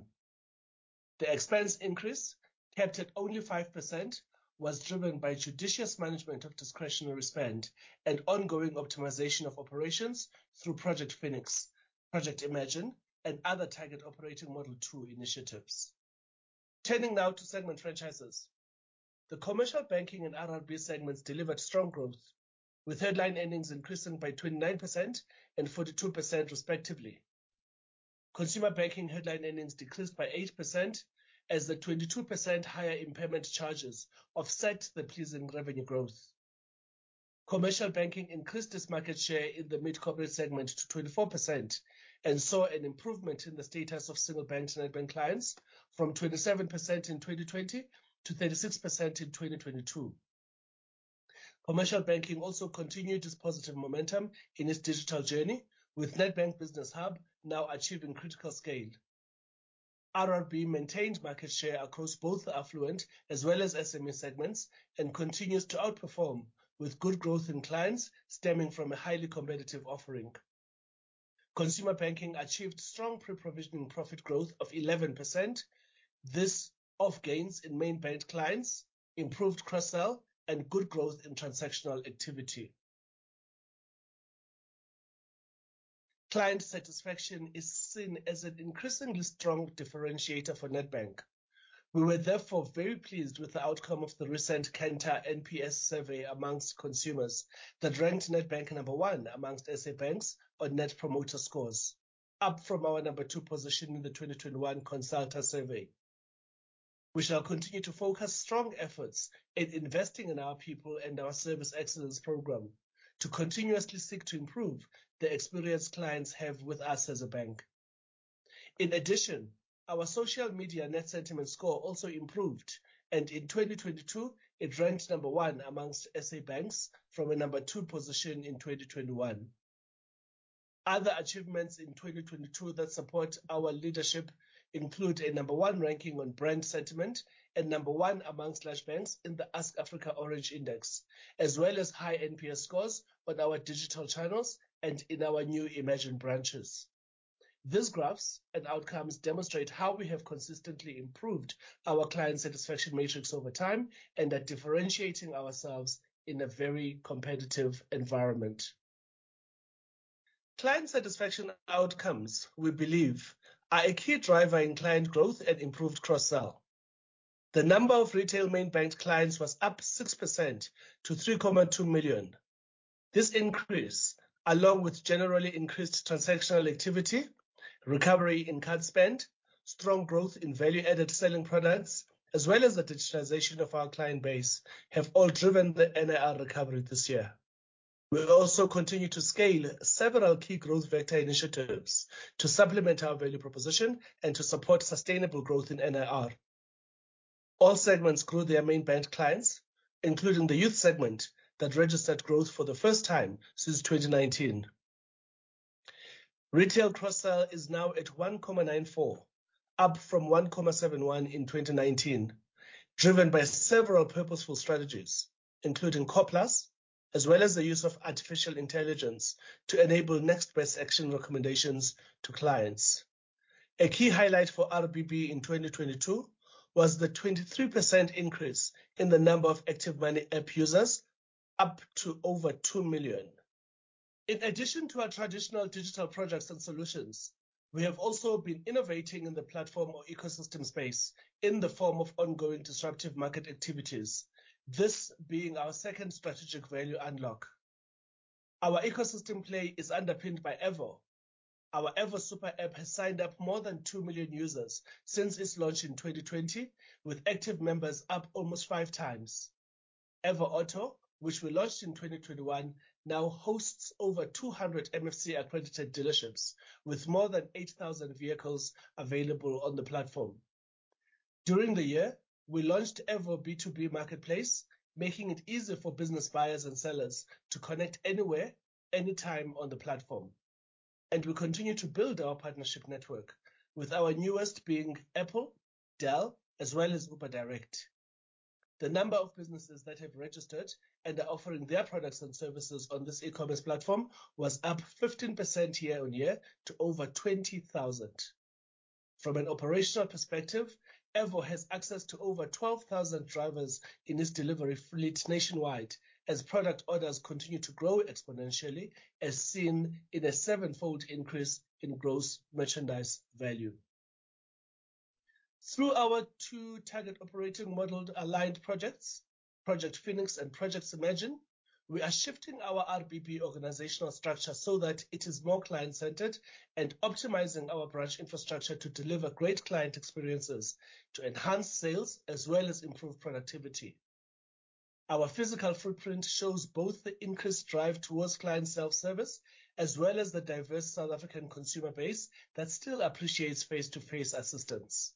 The expense increase, capped at only 5%, was driven by judicious management of discretionary spend and ongoing optimization of operations through Project Phoenix, Project Imagine, and other target operating model two initiatives. Turning now to segment franchises. The commercial banking and RBB segments delivered strong growth, with headline earnings increasing by 29% and 42% respectively. Consumer banking headline earnings decreased by 8% as the 22% higher impairment charges offset the pleasing revenue growth. Commercial banking increased its market share in the mid corporate segment to 24% and saw an improvement in the status of single bank Nedbank clients from 27% in 2020 to 36% in 2022. Commercial banking also continued its positive momentum in its digital journey, with Nedbank Business Hub now achieving critical scale. RBB maintained market share across both the affluent as well as SME segments and continues to outperform with good growth in clients stemming from a highly competitive offering. Consumer banking achieved strong pre-provisioning profit growth of 11%. This off gains in main bank clients improved cross-sell and good growth in transactional activity. Client satisfaction is seen as an increasingly strong differentiator for Nedbank. We were therefore very pleased with the outcome of the recent Kantar NPS survey amongst consumers that ranked Nedbank number one amongst SA banks on Net Promoter scores, up from our number two position in the 2021 Consulta survey. We shall continue to focus strong efforts in investing in our people and our service excellence program to continuously seek to improve the experience clients have with us as a bank. In addition, our social media net sentiment score also improved, and in 2022 it ranked number one amongst SA banks from a number two position in 2021. Other achievements in 2022 that support our leadership include a number one ranking on brand sentiment and number one amongst large banks in the Ask Afrika Orange Index, as well as high NPS scores on our digital channels and in our new imagined branches. These graphs and outcomes demonstrate how we have consistently improved our client satisfaction matrix over time and are differentiating ourselves in a very competitive environment. Client satisfaction outcomes, we believe, are a key driver in client growth and improved cross-sell. The number of retail main bank clients was up 6% to 3.2 million. This increase, along with generally increased transactional activity, recovery in card spend, strong growth in value-added selling products, as well as the digitization of our client base, have all driven the NIR recovery this year. We'll also continue to scale several key growth vector initiatives to supplement our value proposition and to support sustainable growth in NIR. All segments grew their main bank clients, including the youth segment that registered growth for the first time since 2019. Retail cross-sell is now at 1.94, up from 1.71 in 2019, driven by several purposeful strategies, including Core Plus, as well as the use of artificial intelligence to enable next best action recommendations to clients. A key highlight for RBB in 2022 was the 23% increase in the number of active Money app users, up to over 2 million. In addition to our traditional digital products and solutions, we have also been innovating in the platform or ecosystem space in the form of ongoing disruptive market activities, this being our second strategic value unlock. Our ecosystem play is underpinned by Avo. Our Avo super app has signed up more than 2 million users since its launch in 2020, with active members up almost five times. Avo Auto, which we launched in 2021, now hosts over 200 MFC accredited dealerships with more than 8,000 vehicles available on the platform. During the year, we launched Avo B2B Marketplace, making it easier for business buyers and sellers to connect anywhere, anytime on the platform. We continue to build our partnership network with our newest being Apple, Dell, as well as Uber Direct. The number of businesses that have registered and are offering their products and services on this e-commerce platform was up 15% year-on-year to over 20,000. From an operational perspective, Avo has access to over 12,000 drivers in its delivery fleet nationwide as product orders continue to grow exponentially, as seen in a seven-fold increase in gross merchandise value. Through our 2 target operating model aligned projects, Project Phoenix and Project Imagine, we are shifting our RBB organizational structure so that it is more client-centered and optimizing our branch infrastructure to deliver great client experiences to enhance sales as well as improve productivity. Our physical footprint shows both the increased drive towards client self-service as well as the diverse South African consumer base that still appreciates face-to-face assistance.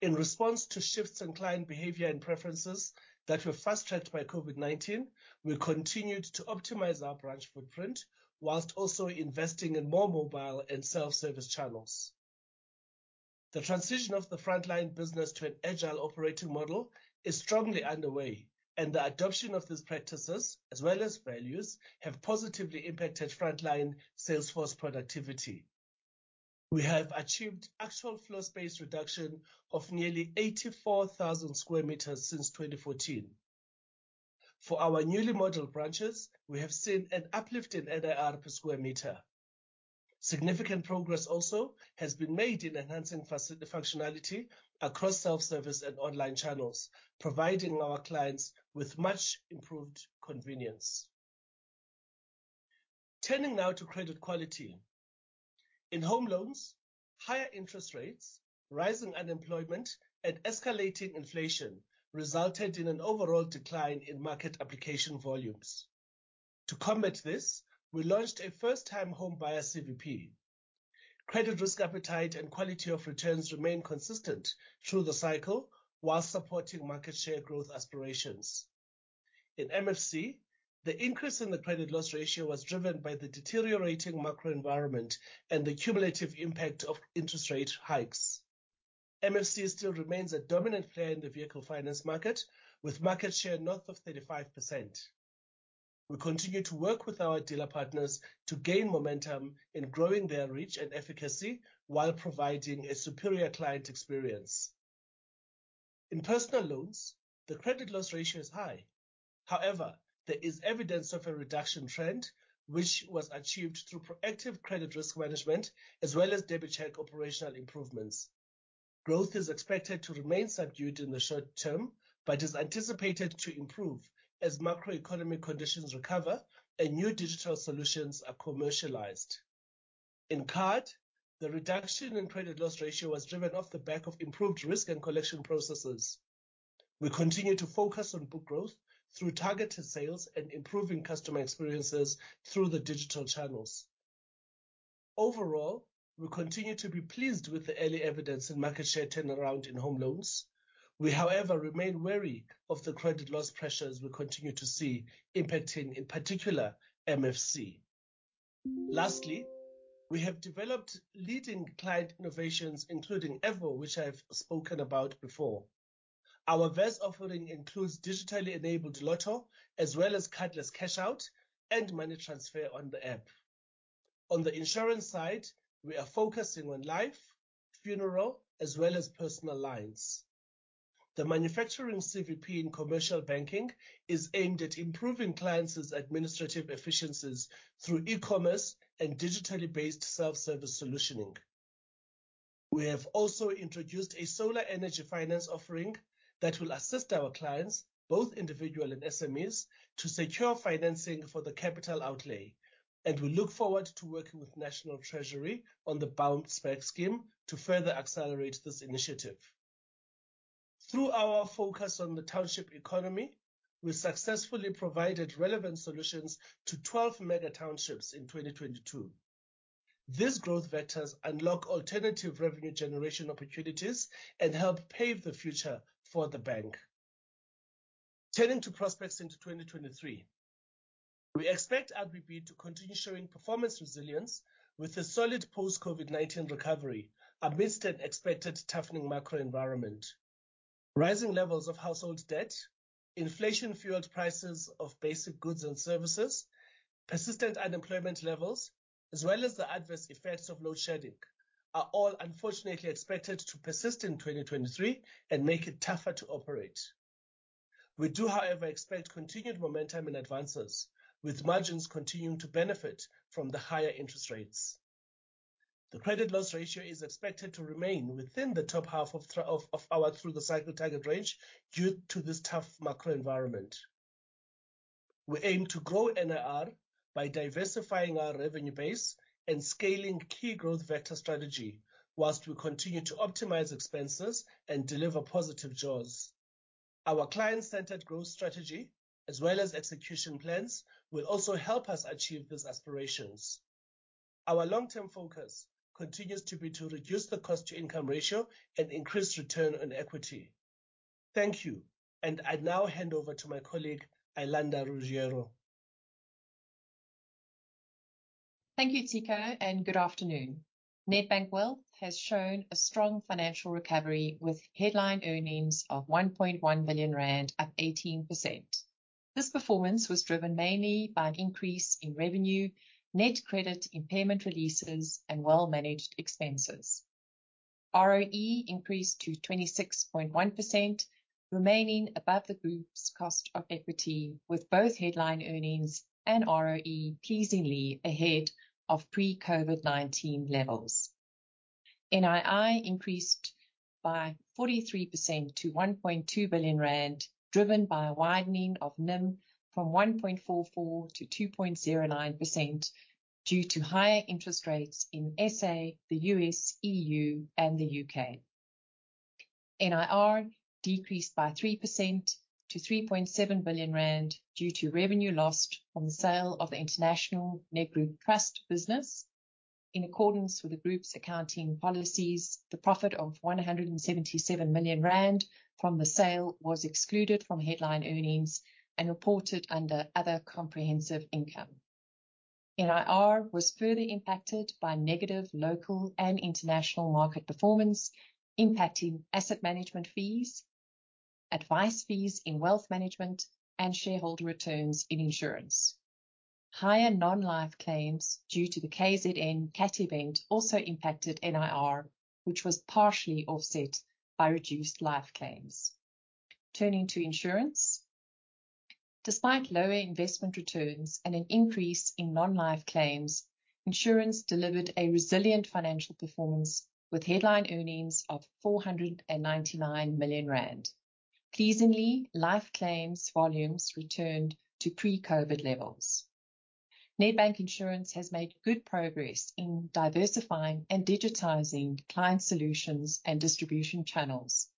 In response to shifts in client behavior and preferences that were fast-tracked by COVID-19, we continued to optimize our branch footprint whilst also investing in more mobile and self-service channels. The transition of the frontline business to an agile operating model is strongly underway, the adoption of these practices as well as values have positively impacted frontline sales force productivity. We have achieved actual floor space reduction of nearly 84,000 sq m since 2014. For our newly modeled branches, we have seen an uplift in NIR per square meter. Significant progress also has been made in enhancing functionality across self-service and online channels, providing our clients with much improved convenience. Turning now to credit quality. In home loans, higher interest rates, rising unemployment, and escalating inflation resulted in an overall decline in market application volumes. To combat this, we launched a first-time homebuyer CVP. Credit risk appetite and quality of returns remain consistent through the cycle while supporting market share growth aspirations. In MFC, the increase in the credit loss ratio was driven by the deteriorating macro environment and the cumulative impact of interest rate hikes. MFC still remains a dominant player in the vehicle finance market, with market share north of 35%. We continue to work with our dealer partners to gain momentum in growing their reach and efficacy while providing a superior client experience. In personal loans, the credit loss ratio is high. However, there is evidence of a reduction trend which was achieved through proactive credit risk management as well as DebiCheck operational improvements. Growth is expected to remain subdued in the short term, is anticipated to improve as macroeconomic conditions recover and new digital solutions are commercialized. In card, the reduction in credit loss ratio was driven off the back of improved risk and collection processes. We continue to focus on book growth through targeted sales and improving customer experiences through the digital channels. Overall, we continue to be pleased with the early evidence in market share turnaround in home loans. We, however, remain wary of the credit loss pressures we continue to see impacting, in particular MFC. Lastly, we have developed leading client innovations, including Avo, which I've spoken about before. Our vast offering includes digitally enabled Lotto, as well as cardless cash out and money transfer on the app. On the insurance side, we are focusing on life, funeral, as well as personal lines. The manufacturing CVP in commercial banking is aimed at improving clients' administrative efficiencies through e-commerce and digitally based self-service solutioning. We have also introduced a solar energy finance offering that will assist our clients, both individual and SMEs, to secure financing for the capital outlay. We look forward to working with National Treasury on the Bounce-Back Scheme to further accelerate this initiative. Through our focus on the township economy, we successfully provided relevant solutions to 12 mega townships in 2022. These growth vectors unlock alternative revenue generation opportunities and help pave the future for the bank. Turning to prospects into 2023. We expect RBB to continue showing performance resilience with a solid post-COVID-19 recovery amidst an expected toughening macro environment. Rising levels of household debt, inflation-fueled prices of basic goods and services, persistent unemployment levels, as well as the adverse effects of load shedding, are all unfortunately expected to persist in 2023 and make it tougher to operate. We do, however, expect continued momentum in advances, with margins continuing to benefit from the higher interest rates. The credit loss ratio is expected to remain within the top half of our through-the-cycle target range due to this tough macro environment. We aim to grow NIR by diversifying our revenue base and scaling key growth vector strategy whilst we continue to optimize expenses and deliver positive jaws. Our client-centered growth strategy as well as execution plans will also help us achieve these aspirations. Our long-term focus continues to be to reduce the cost-to-income ratio and increase return on equity. Thank you. I now hand over to my colleague, Iolanda Ruggiero. Thank you, Ciko. Good afternoon. Nedbank Wealth has shown a strong financial recovery with headline earnings of 1.1 billion rand, up 18%. This performance was driven mainly by an increase in revenue, net credit impairment releases, and well-managed expenses. ROE increased to 26.1%, remaining above the group's cost of equity, with both headline earnings and ROE pleasingly ahead of pre-COVID-19 levels. NII increased by 43% to 1.2 billion rand, driven by a widening of NIM from 1.44% to 2.09% due to higher interest rates in SA, the U.S., E.U., and the U.K. NIR decreased by 3% to 3.7 billion rand due to revenue lost from the sale of the International Nedgroup Trust business. In accordance with the group's accounting policies, the profit of 177 million rand from the sale was excluded from headline earnings and reported under other comprehensive income. NIR was further impacted by negative local and international market performance, impacting asset management fees, advice fees in Wealth Management, and shareholder returns in insurance. Higher non-life claims due to the KZN cat event also impacted NIR, which was partially offset by reduced life claims. Turning to insurance. Despite lower investment returns and an increase in non-life claims, insurance delivered a resilient financial performance with headline earnings of 499 million rand. Pleasingly, life claims volumes returned to pre-COVID levels. Nedbank Insurance has made good progress in diversifying and digitizing client solutions and distribution channels.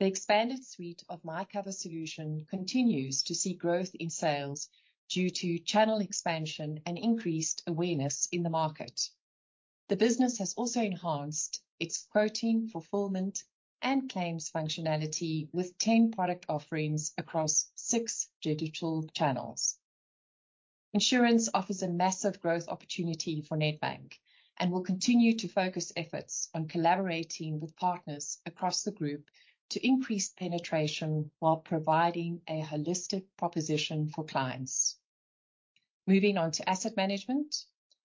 The expanded suite of MyCover solution continues to see growth in sales due to channel expansion and increased awareness in the market. The business has also enhanced its quoting, fulfillment, and claims functionality with 10 product offerings across 6 digital channels. Insurance offers a massive growth opportunity for Nedbank and will continue to focus efforts on collaborating with partners across the group to increase penetration while providing a holistic proposition for clients. Moving on to asset management.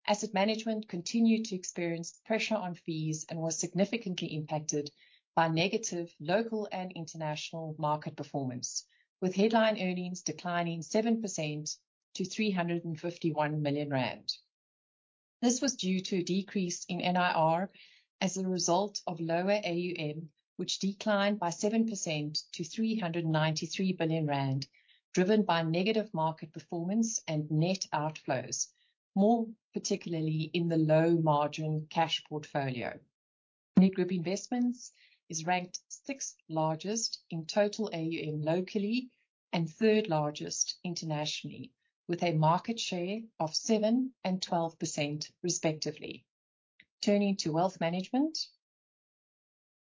Asset management continued to experience pressure on fees and was significantly impacted by negative local and international market performance, with headline earnings declining 7% to 351 million rand. This was due to a decrease in NIR as a result of lower AUM, which declined by 7% to 393 billion rand, driven by negative market performance and net outflows, more particularly in the low margin cash portfolio. Nedgroup Investments is ranked sixth largest in total AUM locally, and third largest internationally, with a market share of 7% and 12% respectively. Turning to Wealth Management.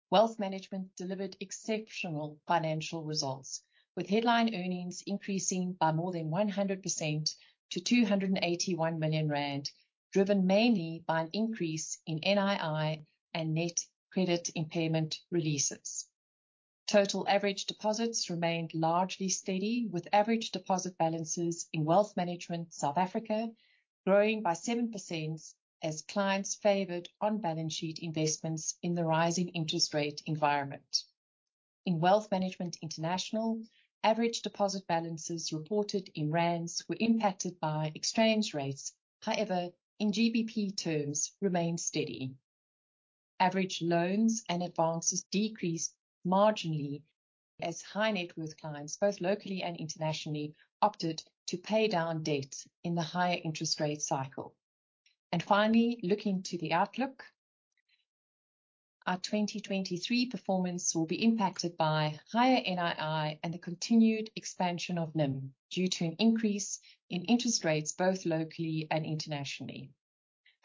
Wealth Management delivered exceptional financial results, with headline earnings increasing by more than 100% to 281 million rand, driven mainly by an increase in NII and net credit impairment releases. Total average deposits remained largely steady, with average deposit balances in Wealth Management South Africa growing by 7% as clients favored on-balance sheet investments in the rising interest rate environment. In Wealth Management International, average deposit balances reported in ZAR were impacted by exchange rates, however, in GBP terms remained steady. Average loans and advances decreased marginally as high net worth clients, both locally and internationally, opted to pay down debt in the higher interest rate cycle. Finally, looking to the outlook. Our 2023 performance will be impacted by higher NII and the continued expansion of NIM due to an increase in interest rates both locally and internationally.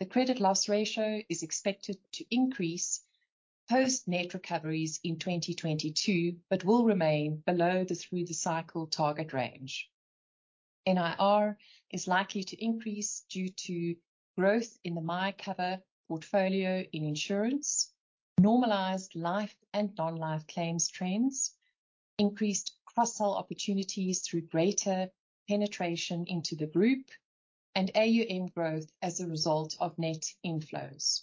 The credit loss ratio is expected to increase post net recoveries in 2022, but will remain below the through the cycle target range. NIR is likely to increase due to growth in the MyCover portfolio in insurance, normalized life and non-life claims trends, increased cross-sell opportunities through greater penetration into the group, and AUM growth as a result of net inflows.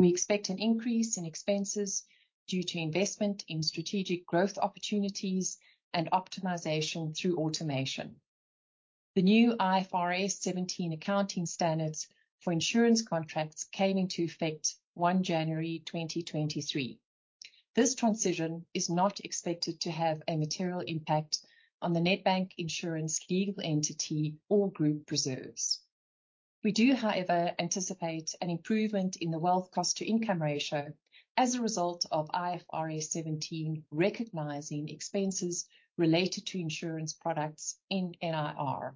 We expect an increase in expenses due to investment in strategic growth opportunities and optimization through automation. The new IFRS 17 accounting standards for insurance contracts came into effect 1 January 2023. This transition is not expected to have a material impact on the Nedbank Insurance legal entity or group reserves. We do, however, anticipate an improvement in the wealth cost-to-income ratio as a result of IFRS 17 recognizing expenses related to insurance products in NIR.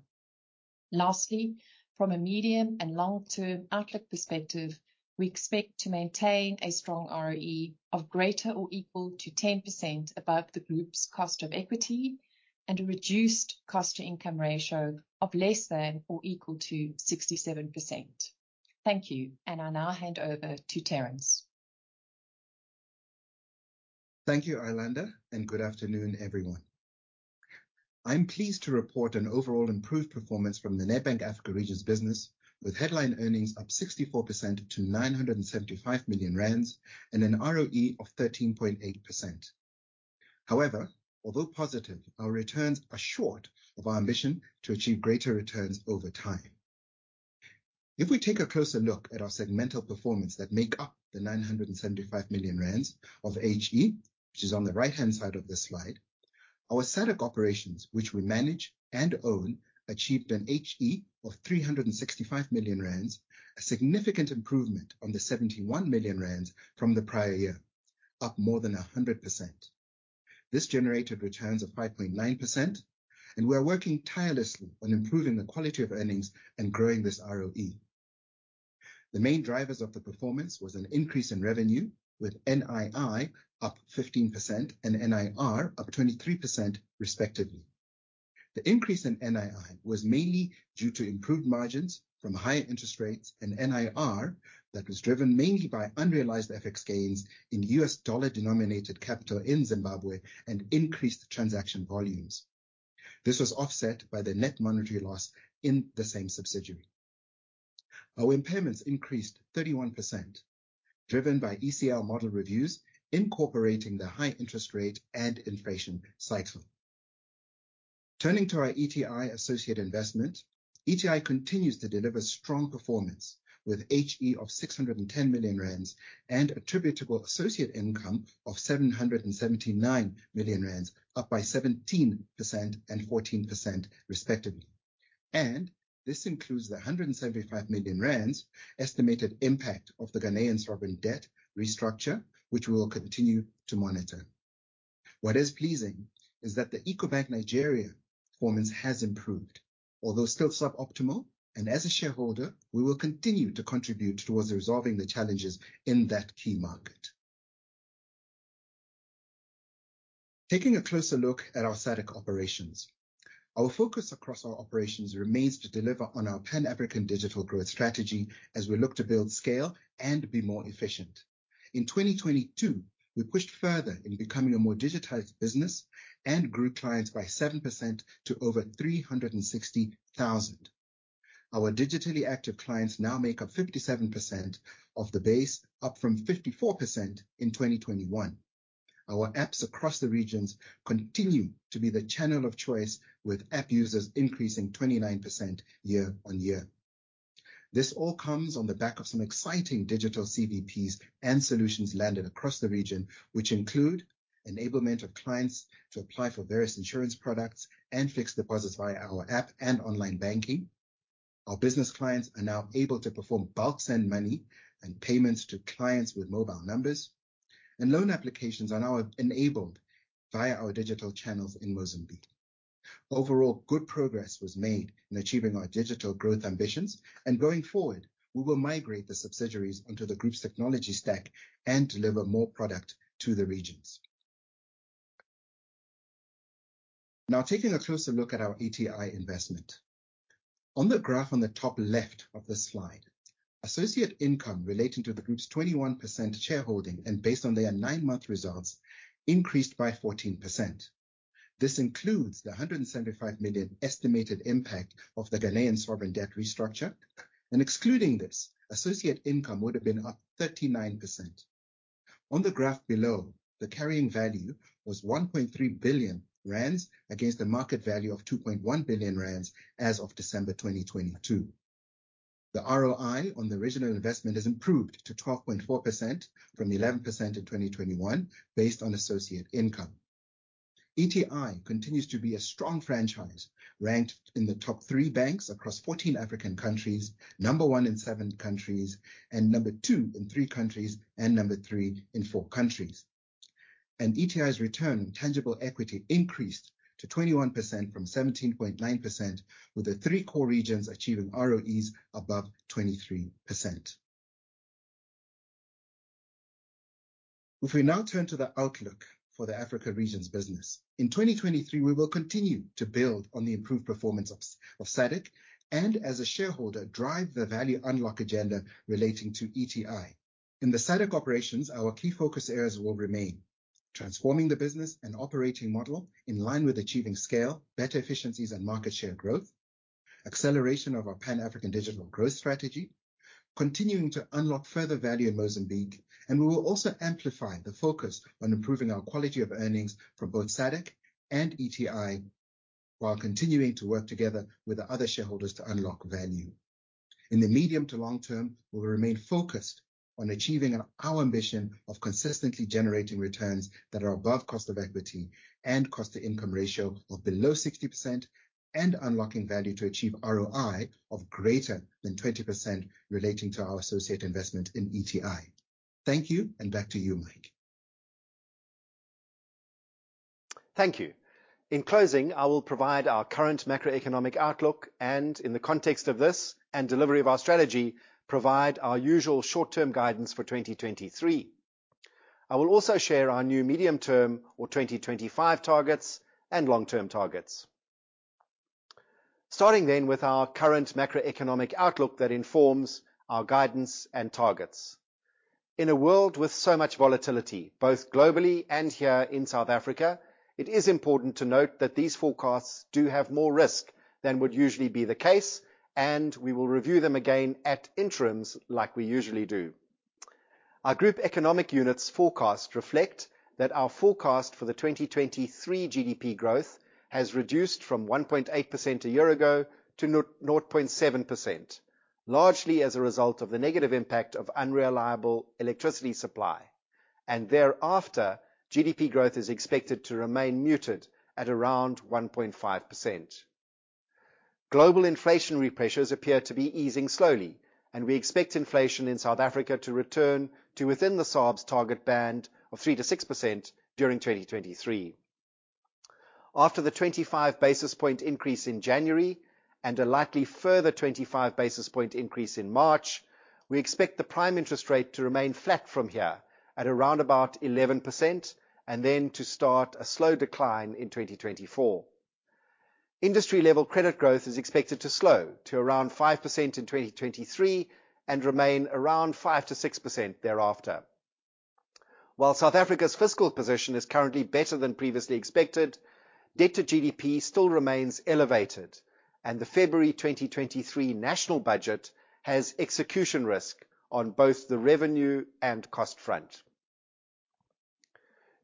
Lastly, from a medium and long term outlook perspective, we expect to maintain a strong ROE of greater or equal to 10% above the group's cost of equity and a reduced cost-to-income ratio of less than or equal to 67%. Thank you. I now hand over to Terence. Thank you, Iolanda, good afternoon, everyone. I'm pleased to report an overall improved performance from the Nedbank Africa Regions business, with headline earnings up 64% to 975 million rand and an ROE of 13.8%. Although positive, our returns are short of our ambition to achieve greater returns over time. If we take a closer look at our segmental performance that make up the 975 million rand of HE, which is on the right-hand side of this slide, our SADC operations, which we manage and own, achieved an HE of 365 million rand, a significant improvement on the 71 million rand from the prior year, up more than 100%. This generated returns of 5.9%, we are working tirelessly on improving the quality of earnings and growing this ROE. The main drivers of the performance was an increase in revenue with NII up 15% and NIR up 23% respectively. The increase in NII was mainly due to improved margins from higher interest rates and NIR that was driven mainly by unrealized FX gains in US dollar denominated capital in Zimbabwe and increased transaction volumes. This was offset by the net monetary loss in the same subsidiary. Our impairments increased 31%, driven by ECL model reviews incorporating the high interest rate and inflation cycle. Turning to our ETI associate investment. ETI continues to deliver strong performance with HE of 610 million rand and attributable associate income of 779 million rand, up by 17% and 14% respectively. This includes the 175 million rand estimated impact of the Ghanaian sovereign debt restructure, which we will continue to monitor. What is pleasing is that the Ecobank Nigeria performance has improved, although still suboptimal, and as a shareholder, we will continue to contribute towards resolving the challenges in that key market. Taking a closer look at our SADC operations. Our focus across our operations remains to deliver on our Pan-African digital growth strategy as we look to build scale and be more efficient. In 2022, we pushed further in becoming a more digitized business and grew clients by 7% to over 360,000. Our digitally active clients now make up 57% of the base, up from 54% in 2021. Our apps across the regions continue to be the channel of choice, with app users increasing 29% year-on-year. This all comes on the back of some exciting digital CVPs and solutions landed across the region, which include enablement of clients to apply for various insurance products and fixed deposits via our app and online banking. Our business clients are now able to perform bulk send money and payments to clients with mobile numbers. Loan applications are now enabled via our digital channels in Mozambique. Overall, good progress was made in achieving our digital growth ambitions, and going forward, we will migrate the subsidiaries onto the group's technology stack and deliver more product to the regions. Taking a closer look at our ETI investment. On the graph on the top left of this slide, associate income relating to the group's 21% shareholding and based on their 9-month results increased by 14%. This includes the 175 million estimated impact of the Ghanaian sovereign debt restructure. Excluding this, associate income would have been up 39%. On the graph below, the carrying value was 1.3 billion rand against the market value of 2.1 billion rand as of December 2022. The ROI on the original investment has improved to 12.4% from 11% in 2021 based on associate income. ETI continues to be a strong franchise, ranked in the top 3 banks across 14 African countries, number 1 in 7 countries, and number 2 in 3 countries, and number 3 in 4 countries. ETI's return on tangible equity increased to 21% from 17.9%, with the 3 core regions achieving ROEs above 23%. We now turn to the outlook for the Africa regions business. In 2023, we will continue to build on the improved performance of SADC, and as a shareholder, drive the value unlock agenda relating to ETI. In the SADC operations, our key focus areas will remain transforming the business and operating model in line with achieving scale, better efficiencies, and market share growth, acceleration of our Pan-African digital growth strategy, continuing to unlock further value in Mozambique, and we will also amplify the focus on improving our quality of earnings from both SADC and ETI, while continuing to work together with the other shareholders to unlock value. In the medium to long term, we will remain focused on achieving our ambition of consistently generating returns that are above cost of equity and cost-to-income ratio of below 60%, and unlocking value to achieve ROI of greater than 20% relating to our associate investment in ETI. Thank you, back to you, Mike. Thank you. In closing, I will provide our current macroeconomic outlook, in the context of this and delivery of our strategy, provide our usual short-term guidance for 2023. I will also share our new medium-term or 2025 targets and long-term targets. Starting with our current macroeconomic outlook that informs our guidance and targets. In a world with so much volatility, both globally and here in South Africa, it is important to note that these forecasts do have more risk than would usually be the case, we will review them again at interims like we usually do. Our group economic units forecast reflect that our forecast for the 2023 GDP growth has reduced from 1.8% a year ago to 0.7%, largely as a result of the negative impact of unreliable electricity supply. Thereafter, GDP growth is expected to remain muted at around 1.5%. Global inflationary pressures appear to be easing slowly, and we expect inflation in South Africa to return to within the SARB's target band of 3%-6% during 2023. After the 25 basis point increase in January and a likely further 25 basis point increase in March, we expect the prime interest rate to remain flat from here at around about 11%, and then to start a slow decline in 2024. Industry level credit growth is expected to slow to around 5% in 2023 and remain around 5%-6% thereafter. While South Africa's fiscal position is currently better than previously expected, debt to GDP still remains elevated, and the February 2023 national budget has execution risk on both the revenue and cost front.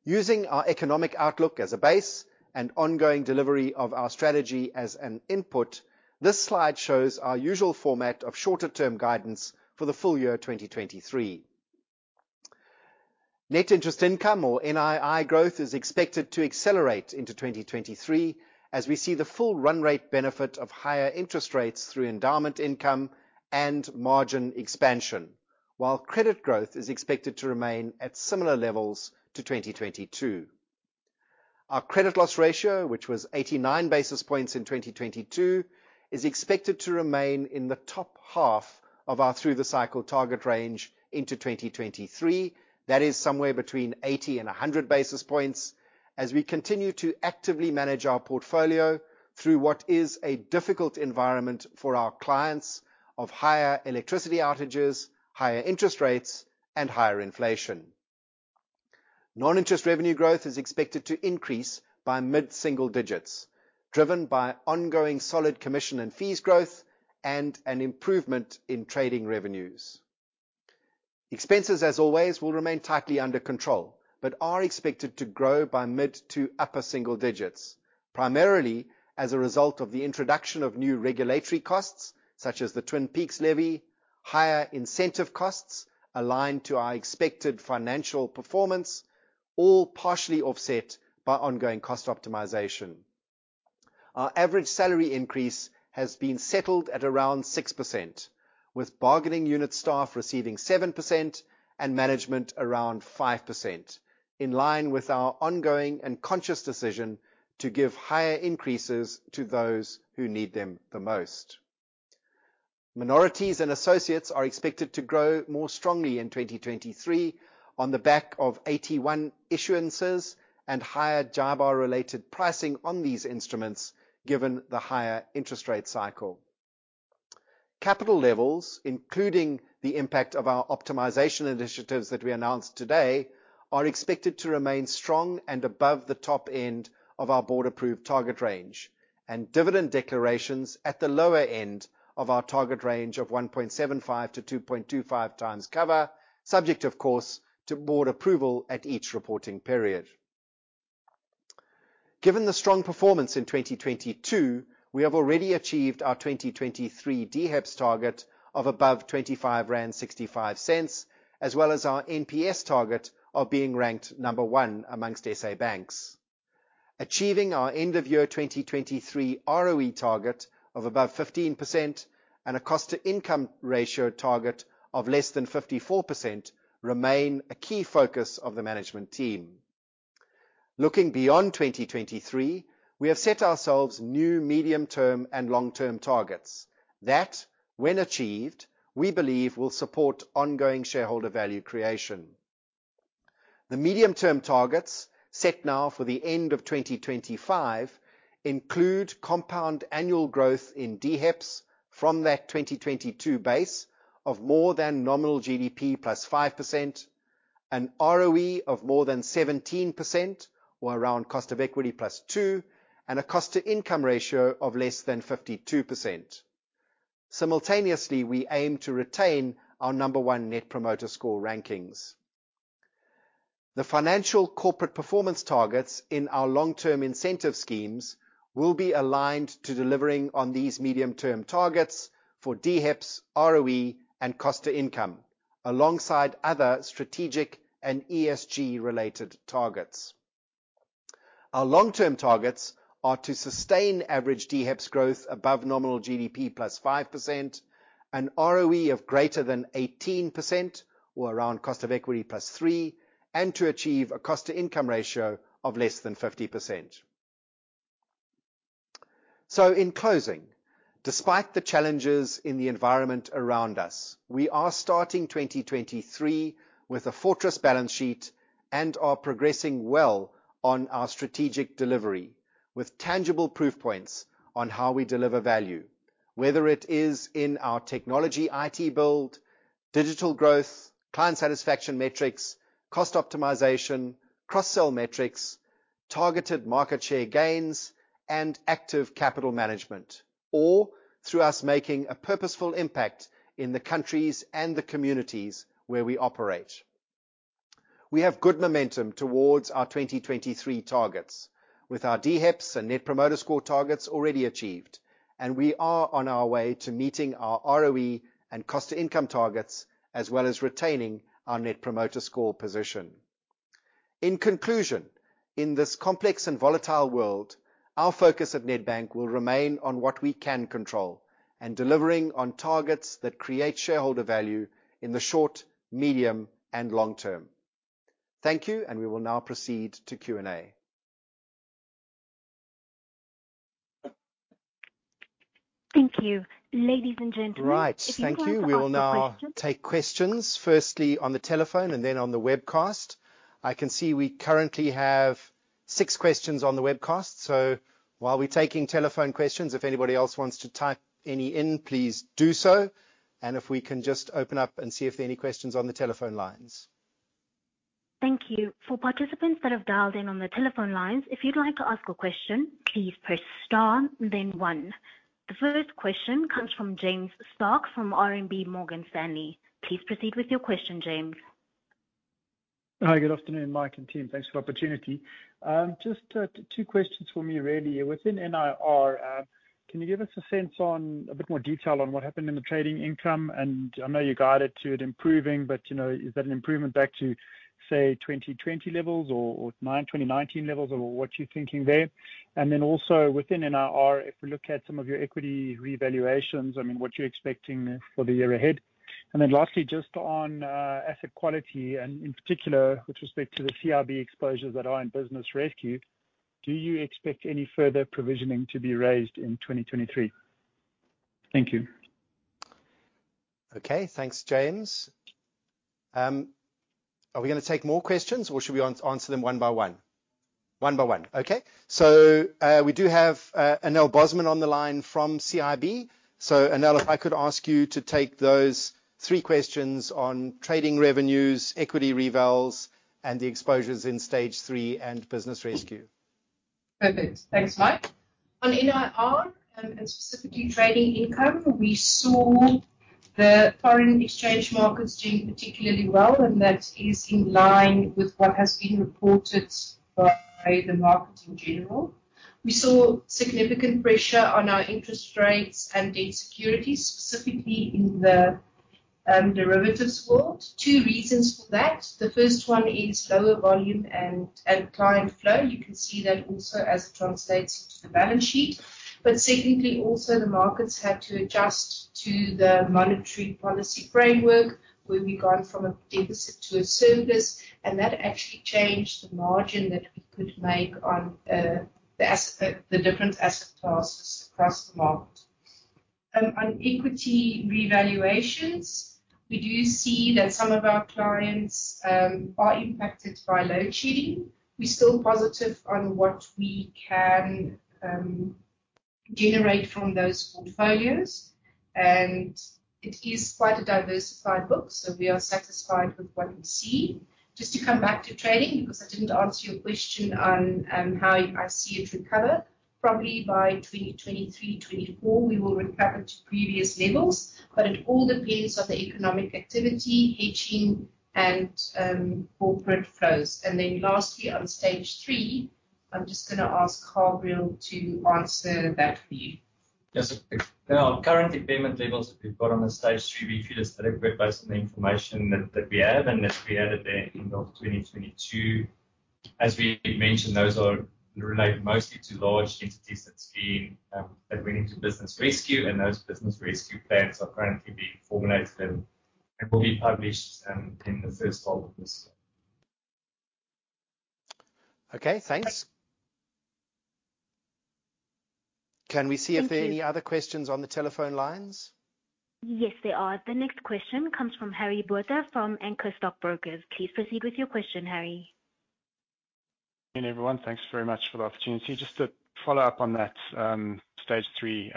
Using our economic outlook as a base and ongoing delivery of our strategy as an input, this slide shows our usual format of shorter term guidance for the full year 2023. Net interest income or NII growth is expected to accelerate into 2023 as we see the full run rate benefit of higher interest rates through endowment income and margin expansion. While credit growth is expected to remain at similar levels to 2022. Our credit loss ratio, which was 89 basis points in 2022, is expected to remain in the top half of our through the cycle target range into 2023. That is somewhere between 80 and 100 basis points as we continue to actively manage our portfolio through what is a difficult environment for our clients of higher electricity outages, higher interest rates, and higher inflation. Non-interest revenue growth is expected to increase by mid-single digits. Driven by ongoing solid commission and fees growth and an improvement in trading revenues. Expenses, as always, will remain tightly under control, but are expected to grow by mid to upper single digits. Primarily, as a result of the introduction of new regulatory costs, such as the Twin Peaks levy, higher incentive costs aligned to our expected financial performance, all partially offset by ongoing cost optimization. Our average salary increase has been settled at around 6%, with bargaining unit staff receiving 7% and management around 5%, in line with our ongoing and conscious decision to give higher increases to those who need them the most. Minorities and associates are expected to grow more strongly in 2023 on the back of 81 issuances and higher JIBAR related pricing on these instruments given the higher interest rate cycle. Capital levels, including the impact of our optimization initiatives that we announced today, are expected to remain strong and above the top end of our board-approved target range, and dividend declarations at the lower end of our target range of 1.75-2.25 times cover, subject, of course, to board approval at each reporting period. Given the strong performance in 2022, we have already achieved our 2023 DHEPS target of above 25.65 rand, as well as our NPS target of being ranked number 1 amongst SA banks. Achieving our end of year 2023 ROE target of above 15% and a cost-to-income ratio target of less than 54% remain a key focus of the management team. Looking beyond 2023, we have set ourselves new medium-term and long-term targets that when achieved, we believe will support ongoing shareholder value creation. The medium-term targets set now for the end of 2025 include compound annual growth in DHEPS from that 2022 base of more than nominal GDP plus 5%, an ROE of more than 17% or around cost of equity plus 2, and a cost-to-income ratio of less than 52%. Simultaneously, we aim to retain our number one Net Promoter Score rankings. The financial corporate performance targets in our long-term incentive schemes will be aligned to delivering on these medium-term targets for DHEPS, ROE, and cost-to-income, alongside other strategic and ESG related targets. Our long-term targets are to sustain average DHEPS growth above nominal GDP plus 5%, an ROE of greater than 18% or around cost of equity plus 3, and to achieve a cost-to-income ratio of less than 50%. In closing, despite the challenges in the environment around us, we are starting 2023 with a fortress balance sheet and are progressing well on our strategic delivery with tangible proof points on how we deliver value. Whether it is in our technology IT build, digital growth, client satisfaction metrics, cost optimization, cross-sell metrics, targeted market share gains, and active capital management, or through us making a purposeful impact in the countries and the communities where we operate. We have good momentum towards our 2023 targets with our DHEPS and Net Promoter Score targets already achieved, and we are on our way to meeting our ROE and cost-to-income targets, as well as retaining our Net Promoter Score position. In conclusion, in this complex and volatile world, our focus at Nedbank will remain on what we can control and delivering on targets that create shareholder value in the short, medium, and long term. Thank you, and we will now proceed to Q&A. Thank you. Ladies and gentlemen. Right. Thank you. If you want to ask a question. We will now take questions, firstly on the telephone and then on the webcast. I can see we currently have 6 questions on the webcast. While we're taking telephone questions, if anybody else wants to type any in, please do so. If we can just open up and see if there are any questions on the telephone lines. Thank you. For participants that have dialed in on the telephone lines, if you'd like to ask a question, please press star and then one. The first question comes from James Starke from RMB Morgan Stanley. Please proceed with your question, James. Hi, good afternoon, Mike and team. Thanks for the opportunity. Just 2 questions for me really. Within NIR, can you give us a sense on a bit more detail on what happened in the trading income? I know you guided to it improving, but is that an improvement back to, say, 2020 levels or 2019 levels or what you're thinking there. Also, within NIR, if we look at some of your equity revaluations, I mean, what you're expecting for the year ahead. Lastly, just on asset quality and in particular with respect to the CIB exposures that are in business rescue, do you expect any further provisioning to be raised in 2023? Thank you. Okay. Thanks, James. Are we gonna take more questions or should we answer them one by one? One by one. Okay. We do have Anél Bosman on the line from CIB. Anél, if I could ask you to take those three questions on trading revenues, equity revals, and the exposures in stage 3 and business rescue. Perfect. Thanks, Mike. On NIR, specifically trading income, we saw the foreign exchange markets doing particularly well, that is in line with what has been reported by the markets in general. We saw significant pressure on our interest rates and debt securities, specifically in the derivatives world. Two reasons for that. The first one is lower volume and client flow. You can see that also as it translates into the balance sheet. Secondly, also the markets had to adjust to the monetary policy framework, where we've gone from a deficit to a surplus, and that actually changed the margin that we could make on the different asset classes across the market. On equity revaluations, we do see that some of our clients are impacted by load shedding. We still positive on what we can generate from those portfolios, and it is quite a diversified book, so we are satisfied with what we see. Just to come back to trading, because I didn't answer your question on how I see it recover. Probably by 2023, 2024, we will recover to previous levels, but it all depends on the economic activity, hedging and corporate flows. Lastly, on stage three, I'm just gonna ask Carli Bredekamp to answer that for you. Yes. Our current impairment levels that we've got on the stage three review is adequate based on the information that we have, and that we added their end of 2022. As we mentioned, those are related mostly to large entities that's been that went into business rescue, and those business rescue plans are currently being formulated and will be published in the first half of this year. Okay, thanks. Can we see if there are any other questions on the telephone lines? Yes, there are. The next question comes from Harry Botha from Anchor Stockbrokers. Please proceed with your question, Harry. Good day, everyone. Thanks very much for the opportunity. Just to follow up on that, Stage 3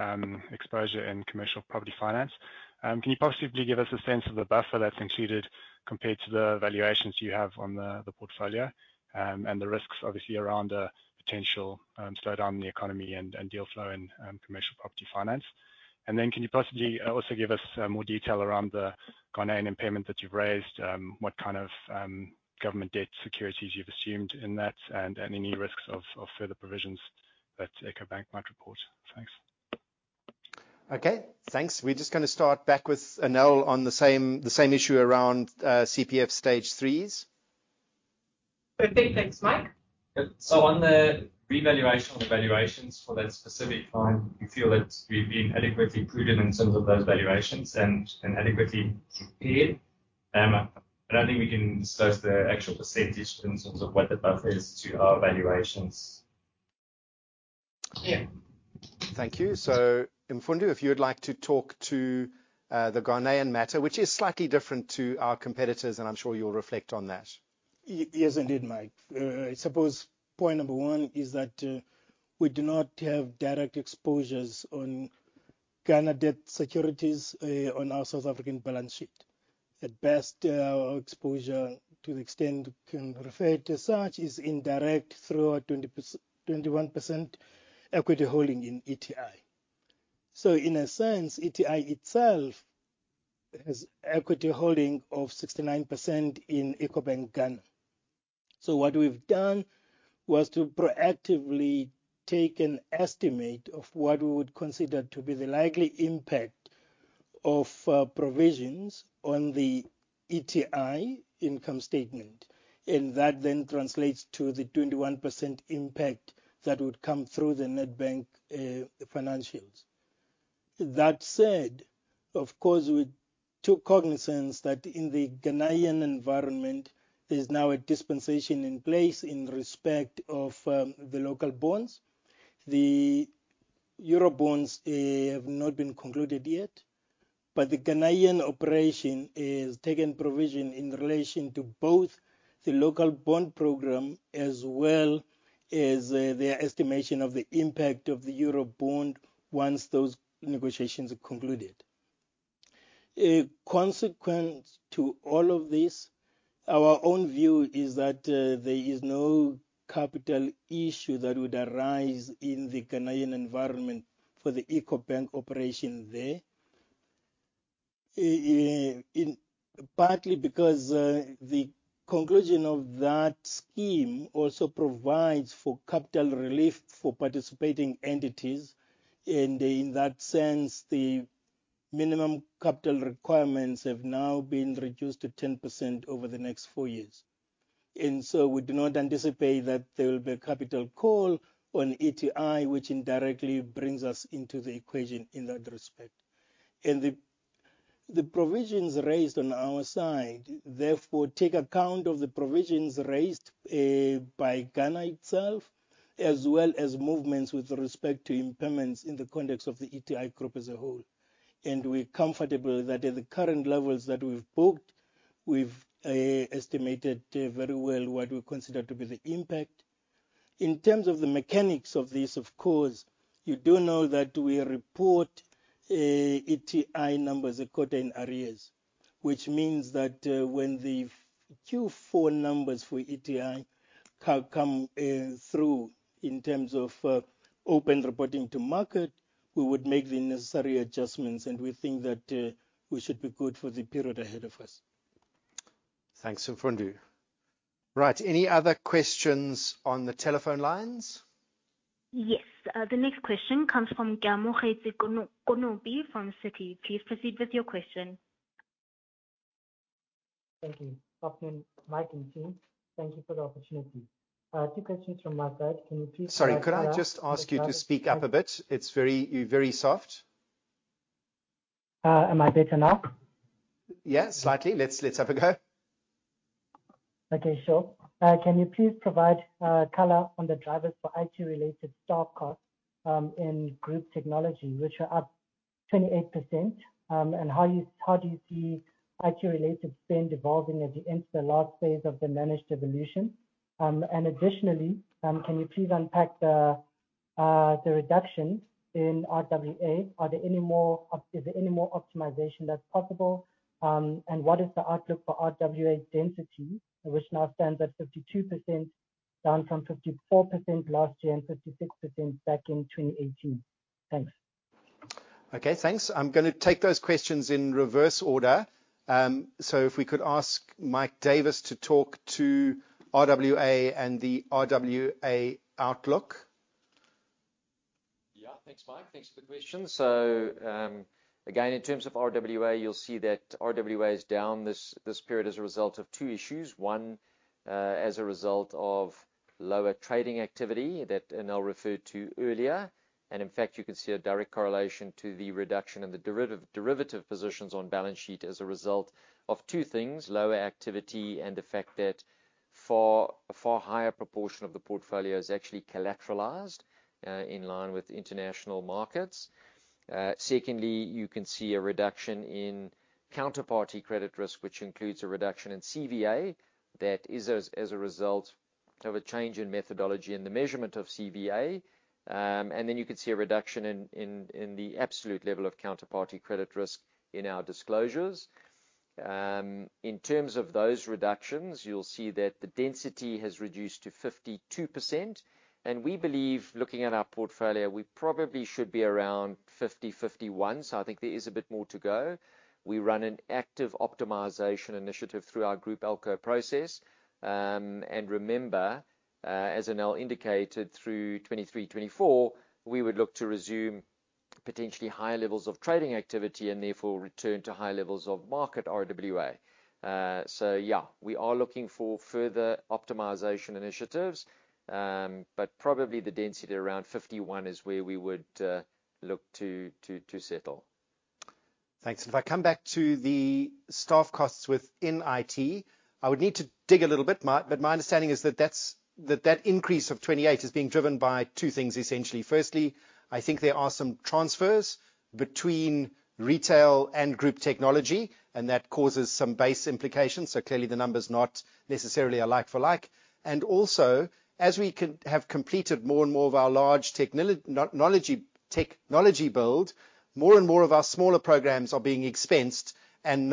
exposure in commercial property finance, can you possibly give us a sense of the buffer that's included compared to the valuations you have on the portfolio, and the risks obviously around a potential slowdown in the economy and deal flow in commercial property finance? Can you possibly also give us more detail around the Ghanaian impairment that you've raised, what kind of government debt securities you've assumed in that and any new risks of further provisions that Ecobank might report? Thanks. Okay, thanks. We're just gonna start back with Anel on the same issue around CPF stage 3s. Perfect. Thanks, Mike. On the revaluation of the valuations for that specific client, we feel that we've been adequately prudent in terms of those valuations and adequately prepared. I don't think we can disclose the actual % in terms of what the buffer is to our valuations. Yeah. Thank you. Mfundo, if you would like to talk to, the Ghanaian matter, which is slightly different to our competitors, and I'm sure you'll reflect on that. Yes, indeed, Mike. I suppose point number 1 is that we do not have direct exposures on Ghana debt securities on our South African balance sheet. At best, our exposure to the extent we can refer to such, is indirect through our 21% equity holding in ETI. In a sense, ETI itself has equity holding of 69% in Ecobank Ghana. What we've done was to proactively take an estimate of what we would consider to be the likely impact of provisions on the ETI income statement, that then translates to the 21% impact that would come through the Nedbank financials. That said, of course, we took cognizance that in the Ghanaian environment, there's now a dispensation in place in respect of the local bonds. The Eurobonds have not been concluded yet, but the Ghanaian operation has taken provision in relation to both the local bond program as well as their estimation of the impact of the Eurobond once those negotiations are concluded. Consequence to all of this, our own view is that there is no capital issue that would arise in the Ghanaian environment for the Ecobank operation there. Partly because the conclusion of that scheme also provides for capital relief for participating entities, and in that sense, the minimum capital requirements have now been reduced to 10% over the next four years. We do not anticipate that there will be a capital call on ETI, which indirectly brings us into the equation in that respect. The provisions raised on our side, therefore, take account of the provisions raised by Ghana itself, as well as movements with respect to impairments in the context of the ETI Group as a whole. We're comfortable that at the current levels that we've booked, we've estimated very well what we consider to be the impact. In terms of the mechanics of this, of course, you do know that we report ETI numbers according to arrears, which means that when the. Q4 numbers for ETI come through in terms of open reporting to market, we would make the necessary adjustments. We think that we should be good for the period ahead of us. Thanks, Mfundo. Right. Any other questions on the telephone lines? Yes. The next question comes from Kamogelo Konopi from Citi. Please proceed with your question. Thank you. Afternoon, Mike and team. Thank you for the opportunity. Two questions from my side. Sorry, could I just ask you to speak up a bit? It's very. You're very soft. Am I better now? Yeah, slightly. Let's have a go. Okay. Sure. Can you please provide color on the drivers for IT related stock costs in Group Technology, which are up 28%. How do you see IT related spend evolving as you enter the last phase of the Managed Evolution? Additionally, can you please unpack the reduction in RWA? Is there any more optimization that's possible? What is the outlook for RWA density, which now stands at 52%, down from 54% last year and 56% back in 2018. Thanks. Okay, thanks. I'm gonna take those questions in reverse order. If we could ask Mike Davis to talk to RWA and the RWA outlook. Yeah. Thanks, Mike. Thanks for the question. Again, in terms of RWA, you'll see that RWA is down this period as a result of two issues. One, as a result of lower trading activity that Anel referred to earlier. In fact, you can see a direct correlation to the reduction in the derivative positions on balance sheet as a result of two things: lower activity and the fact that far higher proportion of the portfolio is actually collateralized in line with international markets. Secondly, you can see a reduction in counterparty credit risk, which includes a reduction in CVA that is as a result of a change in methodology in the measurement of CVA. Then you can see a reduction in the absolute level of counterparty credit risk in our disclosures. In terms of those reductions, you'll see that the density has reduced to 52%. We believe, looking at our portfolio, we probably should be around 50%, 51%. I think there is a bit more to go. We run an active optimization initiative through our Group ALCO process. Remember, as Anel indicated, through 2023, 2024, we would look to resume potentially higher levels of trading activity and therefore return to higher levels of market RWA. Yeah, we are looking for further optimization initiatives. Probably the density around 51% is where we would look to settle. Thanks. If I come back to the staff costs within IT, I would need to dig a little bit. My understanding is that that's, that increase of 28 is being driven by two things, essentially. Firstly, I think there are some transfers between retail and group technology, and that causes some base implications. Clearly the number's not necessarily a like for like. As we have completed more and more of our large technology build, more and more of our smaller programs are being expensed and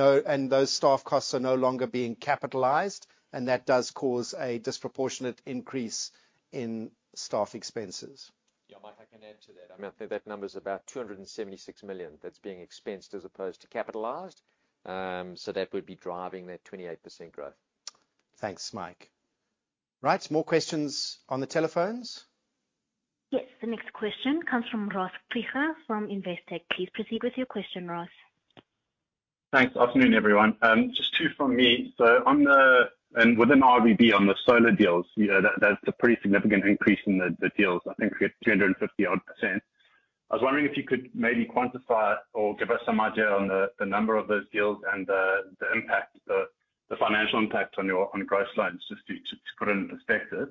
those staff costs are no longer being capitalized, and that does cause a disproportionate increase in staff expenses. Yeah, Mike, I can add to that. I mean, I think that number is about 276 million that's being expensed as opposed to capitalized. That would be driving that 28% growth. Thanks, Mike. Right. More questions on the telephones. Yes. The next question comes from Ross Krige from Investec. Please proceed with your question, Ross. Thanks. Afternoon, everyone. Just two from me. On the... and within RBB on the solar deals, that's a pretty significant increase in the deals. I think it's 250% odd. I was wondering if you could maybe quantify or give us some idea on the number of those deals and the impact, the financial impact on your, on growth lines, just to put it into perspective.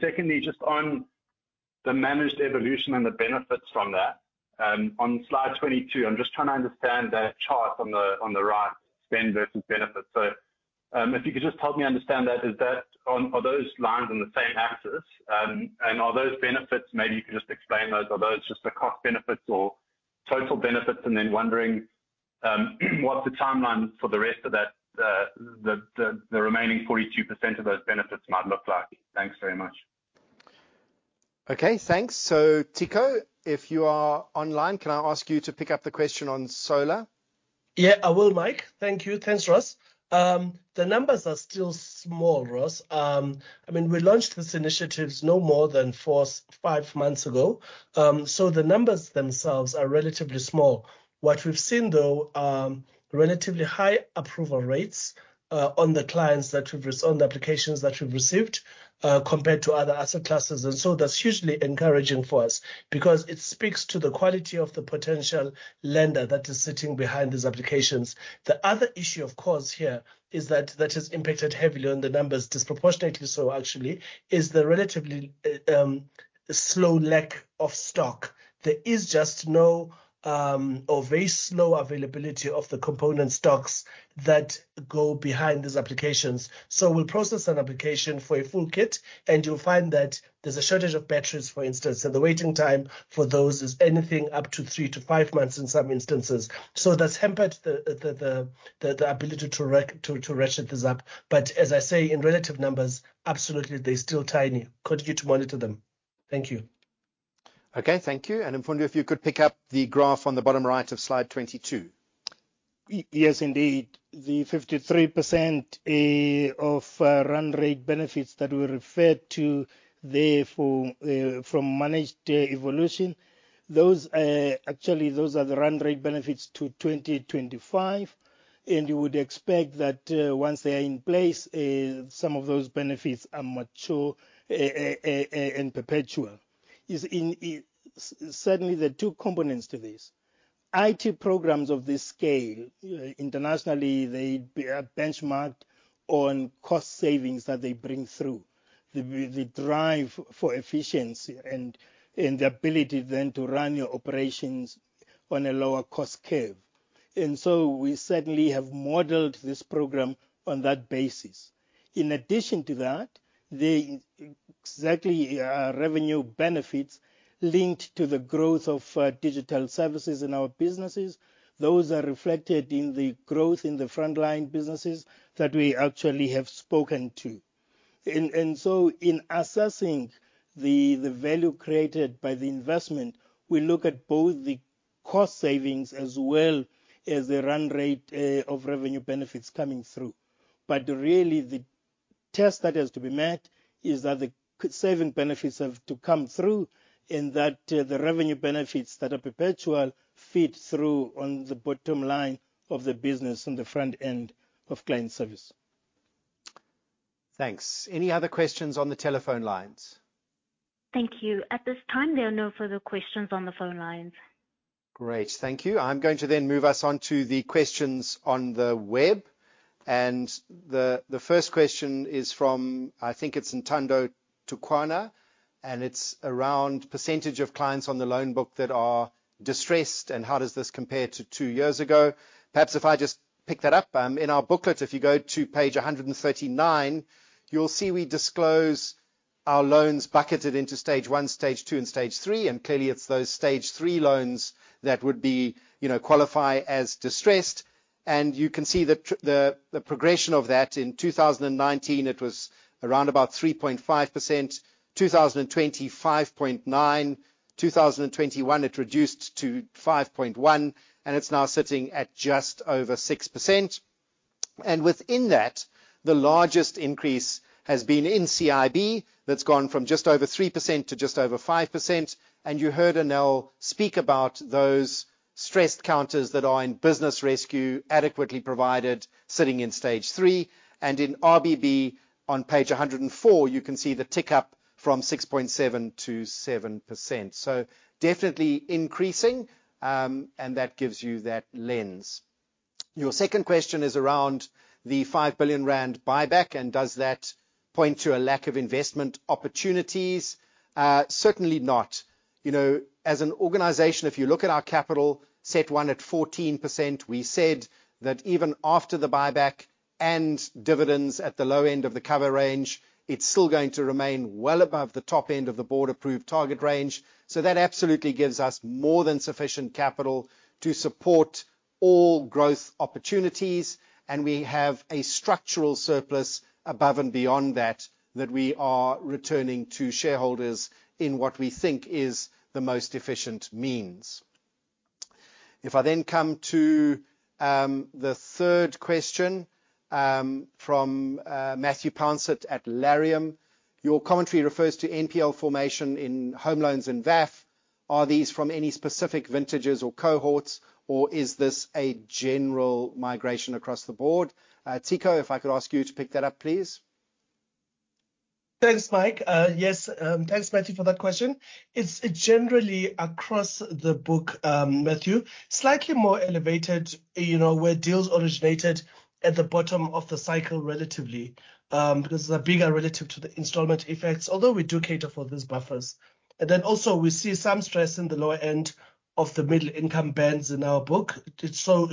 Secondly, just on the Managed Evolution and the benefits from that, on slide 22, I'm just trying to understand that chart on the right, spend versus benefits. If you could just help me understand that. Are those lines on the same axis? Are those benefits, maybe you can just explain those. Are those just the cost benefits or total benefits? wondering what the timeline for the rest of that the remaining 42% of those benefits might look like. Thanks very much. Okay, thanks. Ciko, if you are online, can I ask you to pick up the question on solar? Yeah, I will, Mike. Thank you. Thanks, Ross. The numbers are still small, Ross. I mean, we launched these initiatives no more than four, five months ago. The numbers themselves are relatively small. What we've seen, though, relatively high approval rates on the applications that we've received compared to other asset classes. That's hugely encouraging for us because it speaks to the quality of the potential lender that is sitting behind these applications. The other issue, of course, here is that has impacted heavily on the numbers, disproportionately so actually, is the relatively slow lack of stock. There is just no or very slow availability of the component stocks that go behind these applications. We'll process an application for a full kit, and you'll find that there's a shortage of batteries, for instance, and the waiting time for those is anything up to 3 to 5 months in some instances. That's hampered the ability to ratchet this up. As I say, in relative numbers, absolutely they're still tiny. Continue to monitor them. Thank you. Okay, thank you. Mfundu, if you could pick up the graph on the bottom right of slide 22. Yes, indeed. The 53% of run rate benefits that were referred to there for from Managed Evolution, those actually, those are the run rate benefits to 2025. You would expect that once they are in place, some of those benefits are mature and perpetual. Certainly, there are two components to this. IT programs of this scale, internationally, they are benchmarked on cost savings that they bring through. The drive for efficiency and the ability then to run your operations on a lower cost curve. We certainly have modeled this program on that basis. In addition to that, the exactly revenue benefits linked to the growth of digital services in our businesses, those are reflected in the growth in the frontline businesses that we actually have spoken to. In assessing the value created by the investment, we look at both the cost savings as well as the run rate of revenue benefits coming through. Really the test that has to be met is that the saving benefits have to come through, and that the revenue benefits that are perpetual feed through on the bottom line of the business on the front end of client service. Thanks. Any other questions on the telephone lines? Thank you. At this time, there are no further questions on the phone lines. Great. Thank you. I'm going to then move us on to the questions on the web. The first question is from, I think it's Ntando Tukwana, and it's around percentage of clients on the loan book that are distressed, and how does this compare to two years ago. Perhaps if I just pick that up, in our booklet, if you go to page 139, you'll see we disclose our loans bucketed into Stage 1, Stage 2, and Stage 3. Clearly, it's those Stage 3 loans that would be, qualify as distressed. You can see the progression of that. In 2019 it was around about 3.5%. 2020, 5.9%. 2021, it reduced to 5.1%, and it's now sitting at just over 6%. Within that, the largest increase has been in CIB, that's gone from just over 3% to just over 5%. You heard Anel speak about those stressed counters that are in business rescue adequately provided sitting in stage 3. In RBB, on page 104, you can see the tick up from 6.7% to 7%. Definitely increasing, that gives you that lens. Your second question is around the 5 billion rand buyback, and does that point to a lack of investment opportunities? Certainly not. You know, as an organization, if you look at our capital, CET1 at 14%, we said that even after the buyback and dividends at the low end of the cover range, it's still going to remain well above the top end of the board-approved target range. That absolutely gives us more than sufficient capital to support all growth opportunities, and we have a structural surplus above and beyond that we are returning to shareholders in what we think is the most efficient means. The third question from Matthew Pouncett at Laurium. Your commentary refers to NPL formation in home loans and VAF. Are these from any specific vintages or cohorts, or is this a general migration across the board? Ciko, if I could ask you to pick that up, please. Thanks, Mike. Yes, thanks, Matthew, for that question. It's, it's generally across the book, Matthew. Slightly more elevated, where deals originated at the bottom of the cycle, relatively, because they're bigger relative to the installment effects, although we do cater for those buffers. Also, we see some stress in the lower end of the middle-income bands in our book. It shows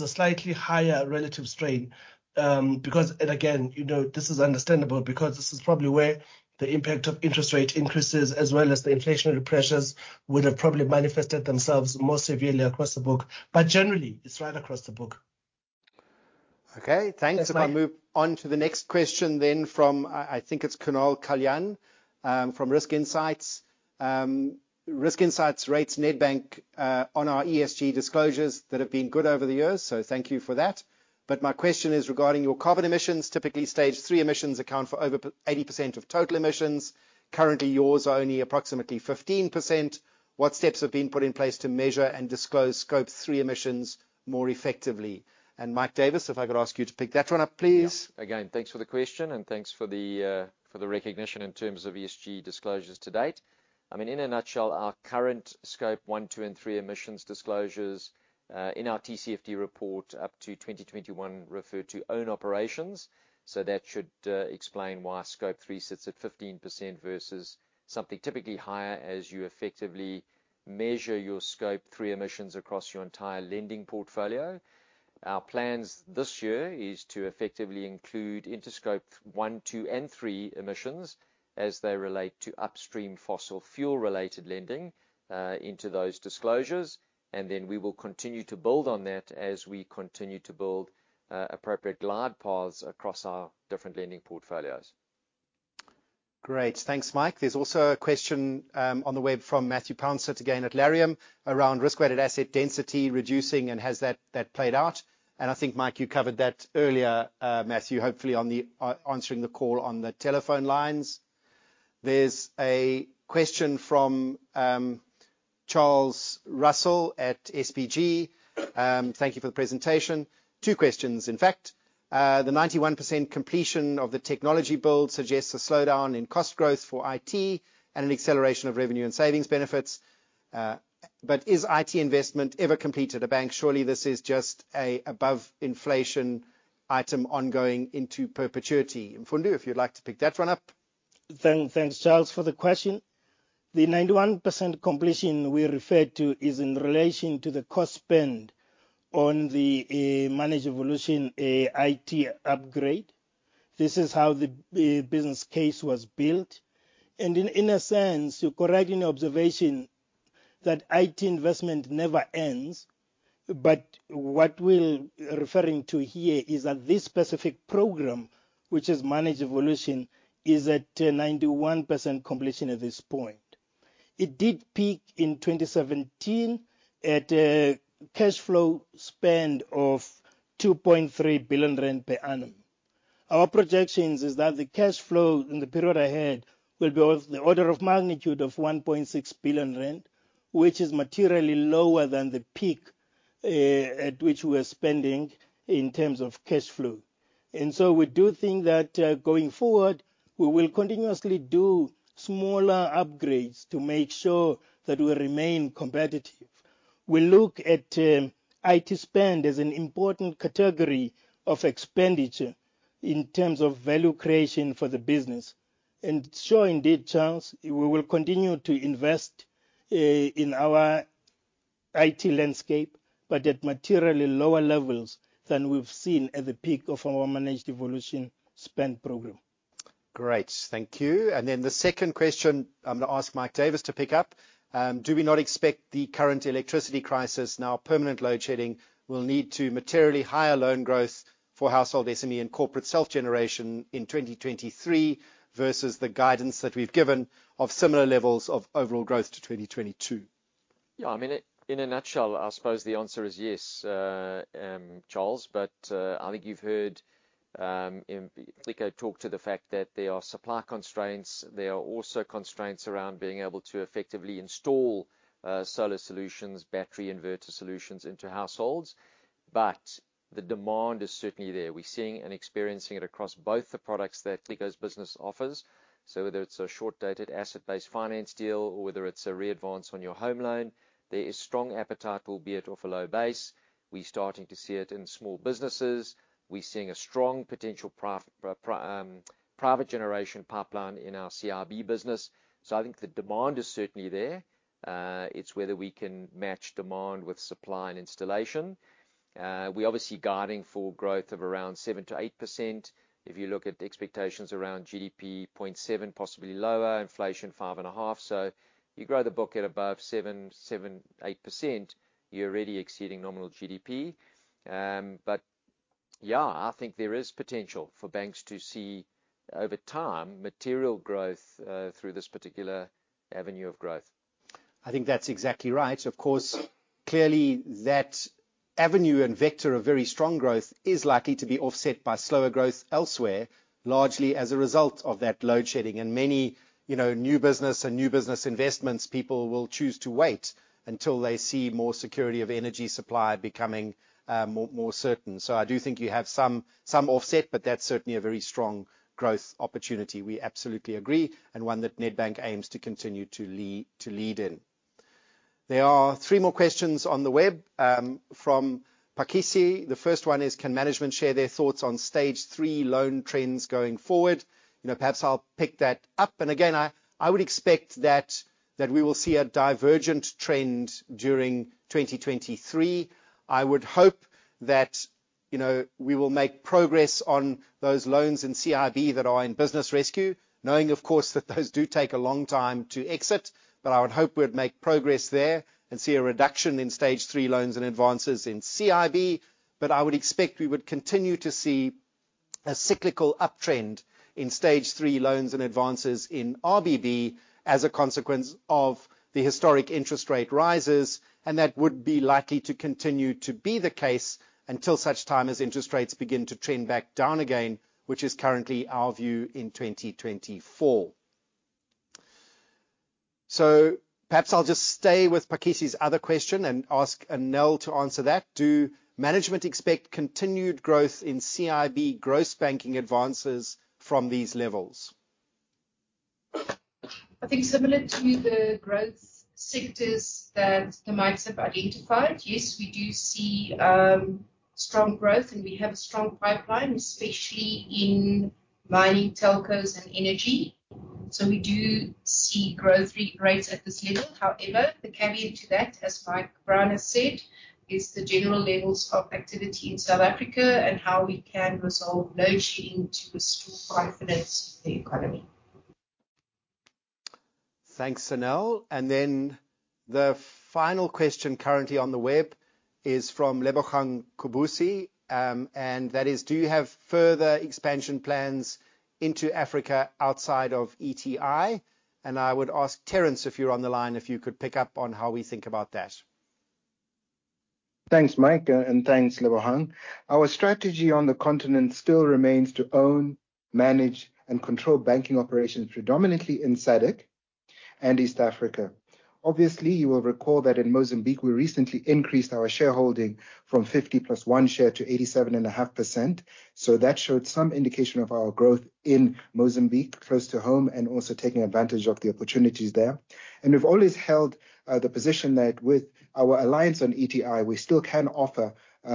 a slightly higher relative strain, because again, this is understandable because this is probably where the impact of interest rate increases as well as the inflationary pressures would have probably manifested themselves more severely across the book. Generally, it's right across the book. Okay, thanks. Yes, Mike. If I move on to the next question then from, I think it's Kunal Kalyan, from Risk Insights. Risk Insights rates Nedbank on our ESG disclosures that have been good over the years, so thank you for that. My question is regarding your carbon emissions. Typically, stage three emissions account for over 80% of total emissions. Currently, yours are only approximately 15%. What steps have been put in place to measure and disclose Scope 3 emissions more effectively? Mike Davis, if I could ask you to pick that one up, please. Yeah. Again, thanks for the question, and thanks for the recognition in terms of ESG disclosures to date. I mean, in a nutshell, our current Scope 1, 2, and 3 emissions disclosures in our TCFD report up to 2021 referred to own operations. That should explain why Scope 3 sits at 15% versus something typically higher as you effectively measure your Scope 3 emissions across your entire lending portfolio. Our plans this year is to effectively include Scope 1, 2, and 3 emissions as they relate to upstream fossil fuel-related lending into those disclosures. We will continue to build on that as we continue to build appropriate glide paths across our different lending portfolios. Great. Thanks, Mike. There's also a question on the web from Matthew Pouncett, it's again at Laurium, around risk-weighted asset density reducing and has that played out. I think, Mike, you covered that earlier, Matthew, hopefully on the answering the call on the telephone lines. There's a question from Charles Russell at SBG. Thank you for the presentation. Two questions, in fact. The 91% completion of the technology build suggests a slowdown in cost growth for IT and an acceleration of revenue and savings benefits. Is IT investment ever complete at a bank? Surely this is just a above inflation item ongoing into perpetuity. Mfundo, if you'd like to pick that one up. Thanks, Charles, for the question. The 91% completion we referred to is in relation to the cost spend on the Managed Evolution IT upgrade. This is how the business case was built. In a sense, you're correct in observation that IT investment never ends, but what we're referring to here is that this specific program, which is Managed Evolution, is at 91% completion at this point. It did peak in 2017 at a cash flow spend of 2.3 billion rand per annum. Our projections is that the cash flow in the period ahead will be of the order of magnitude of 1.6 billion rand, which is materially lower than the peak at which we are spending in terms of cash flow. We do think that, going forward, we will continuously do smaller upgrades to make sure that we remain competitive. We look at IT spend as an important category of expenditure in terms of value creation for the business. Sure, indeed, Charles, we will continue to invest in our IT landscape, but at materially lower levels than we've seen at the peak of our Managed Evolution spend program. Great. Thank you. The second question I'm going to ask Mike Davis to pick up. Do we not expect the current electricity crisis, now permanent load shedding, will need to materially higher loan growth for household SME and corporate self-generation in 2023 versus the guidance that we've given of similar levels of overall growth to 2022? I mean, in a nutshell, I suppose the answer is yes, Charles. I think you've heard Ciko talk to the fact that there are supply constraints. There are also constraints around being able to effectively install solar solutions, battery inverter solutions into households. The demand is certainly there. We're seeing and experiencing it across both the products that Ciko's business offers. Whether it's a short-dated asset-based finance deal or whether it's a re-advance on your home loan, there is strong appetite, albeit off a low base. We're starting to see it in small businesses. We're seeing a strong potential private generation pipeline in our CIB business. I think the demand is certainly there. It's whether we can match demand with supply and installation. We're obviously guiding for growth of around 7%-8%. If you look at the expectations around GDP 0.7%, possibly lower, inflation 5.5%. You grow the book at above 7%-8%, you're already exceeding nominal GDP. But yeah, I think there is potential for banks to see over time, material growth through this particular avenue of growth. I think that's exactly right. Of course, clearly that avenue and vector of very strong growth is likely to be offset by slower growth elsewhere, largely as a result of that load shedding. Many, new business and new business investments people will choose to wait until they see more security of energy supply becoming more, more certain. I do think you have some offset, but that's certainly a very strong growth opportunity. We absolutely agree, and one that Nedbank aims to continue to lead in. There are 3 more questions on the web from Pakisi. The first one is: can management share their thoughts on stage 3 loan trends going forward? You know, perhaps I'll pick that up. Again, I would expect that we will see a divergent trend during 2023. I would hope that, we will make progress on those loans in CIB that are in business rescue, knowing of course that those do take a long time to exit. I would hope we'd make progress there and see a reduction in stage three loans and advances in CIB. I would expect we would continue to see a cyclical uptrend in stage three loans and advances in RBB as a consequence of the historic interest rate rises, and that would be likely to continue to be the case until such time as interest rates begin to trend back down again, which is currently our view in 2024. Perhaps I'll just stay with Pakisi's other question and ask Anel to answer that. Do management expect continued growth in CIB gross banking advances from these levels? I think similar to the growth sectors that the Mikes have identified, yes, we do see strong growth, and we have a strong pipeline, especially in mining telcos and energy. We do see growth re-rates at this level. However, the caveat to that, as Mike Brown has said, is the general levels of activity in South Africa and how we can resolve load shedding to restore confidence in the economy. Thanks, Anél. Then the final question currently on the web is from Lebogang Kubeka, and that is: Do you have further expansion plans into Africa outside of ETI? I would ask Terence, if you're on the line, if you could pick up on how we think about that. Thanks, Mike. Thanks, Lebogang. Our strategy on the continent still remains to own, manage, and control banking operations predominantly in SADC and East Africa. Obviously, you will recall that in Mozambique, we recently increased our shareholding from 50 plus 1 share to 87.5%. That showed some indication of our growth in Mozambique, close to home, and also taking advantage of the opportunities there. We've always held the position that with our alliance on ETI, we still can offer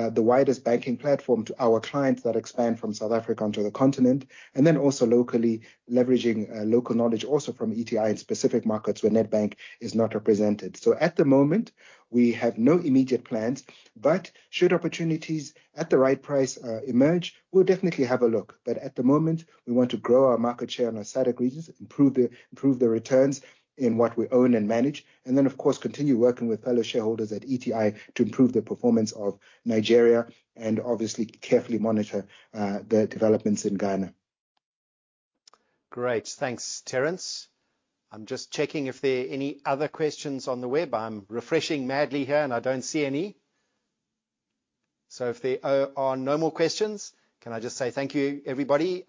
the widest banking platform to our clients that expand from South Africa onto the continent, and then also locally leveraging local knowledge also from ETI in specific markets where Nedbank is not represented. At the moment, we have no immediate plans, but should opportunities at the right price emerge, we'll definitely have a look. At the moment, we want to grow our market share in our SADC regions, improve the returns in what we own and manage, and then of course, continue working with fellow shareholders at ETI to improve the performance of Nigeria and obviously carefully monitor the developments in Ghana. Great. Thanks, Terence. I'm just checking if there are any other questions on the web. I'm refreshing madly here. I don't see any. If there are no more questions, can I just say thank you, everybody.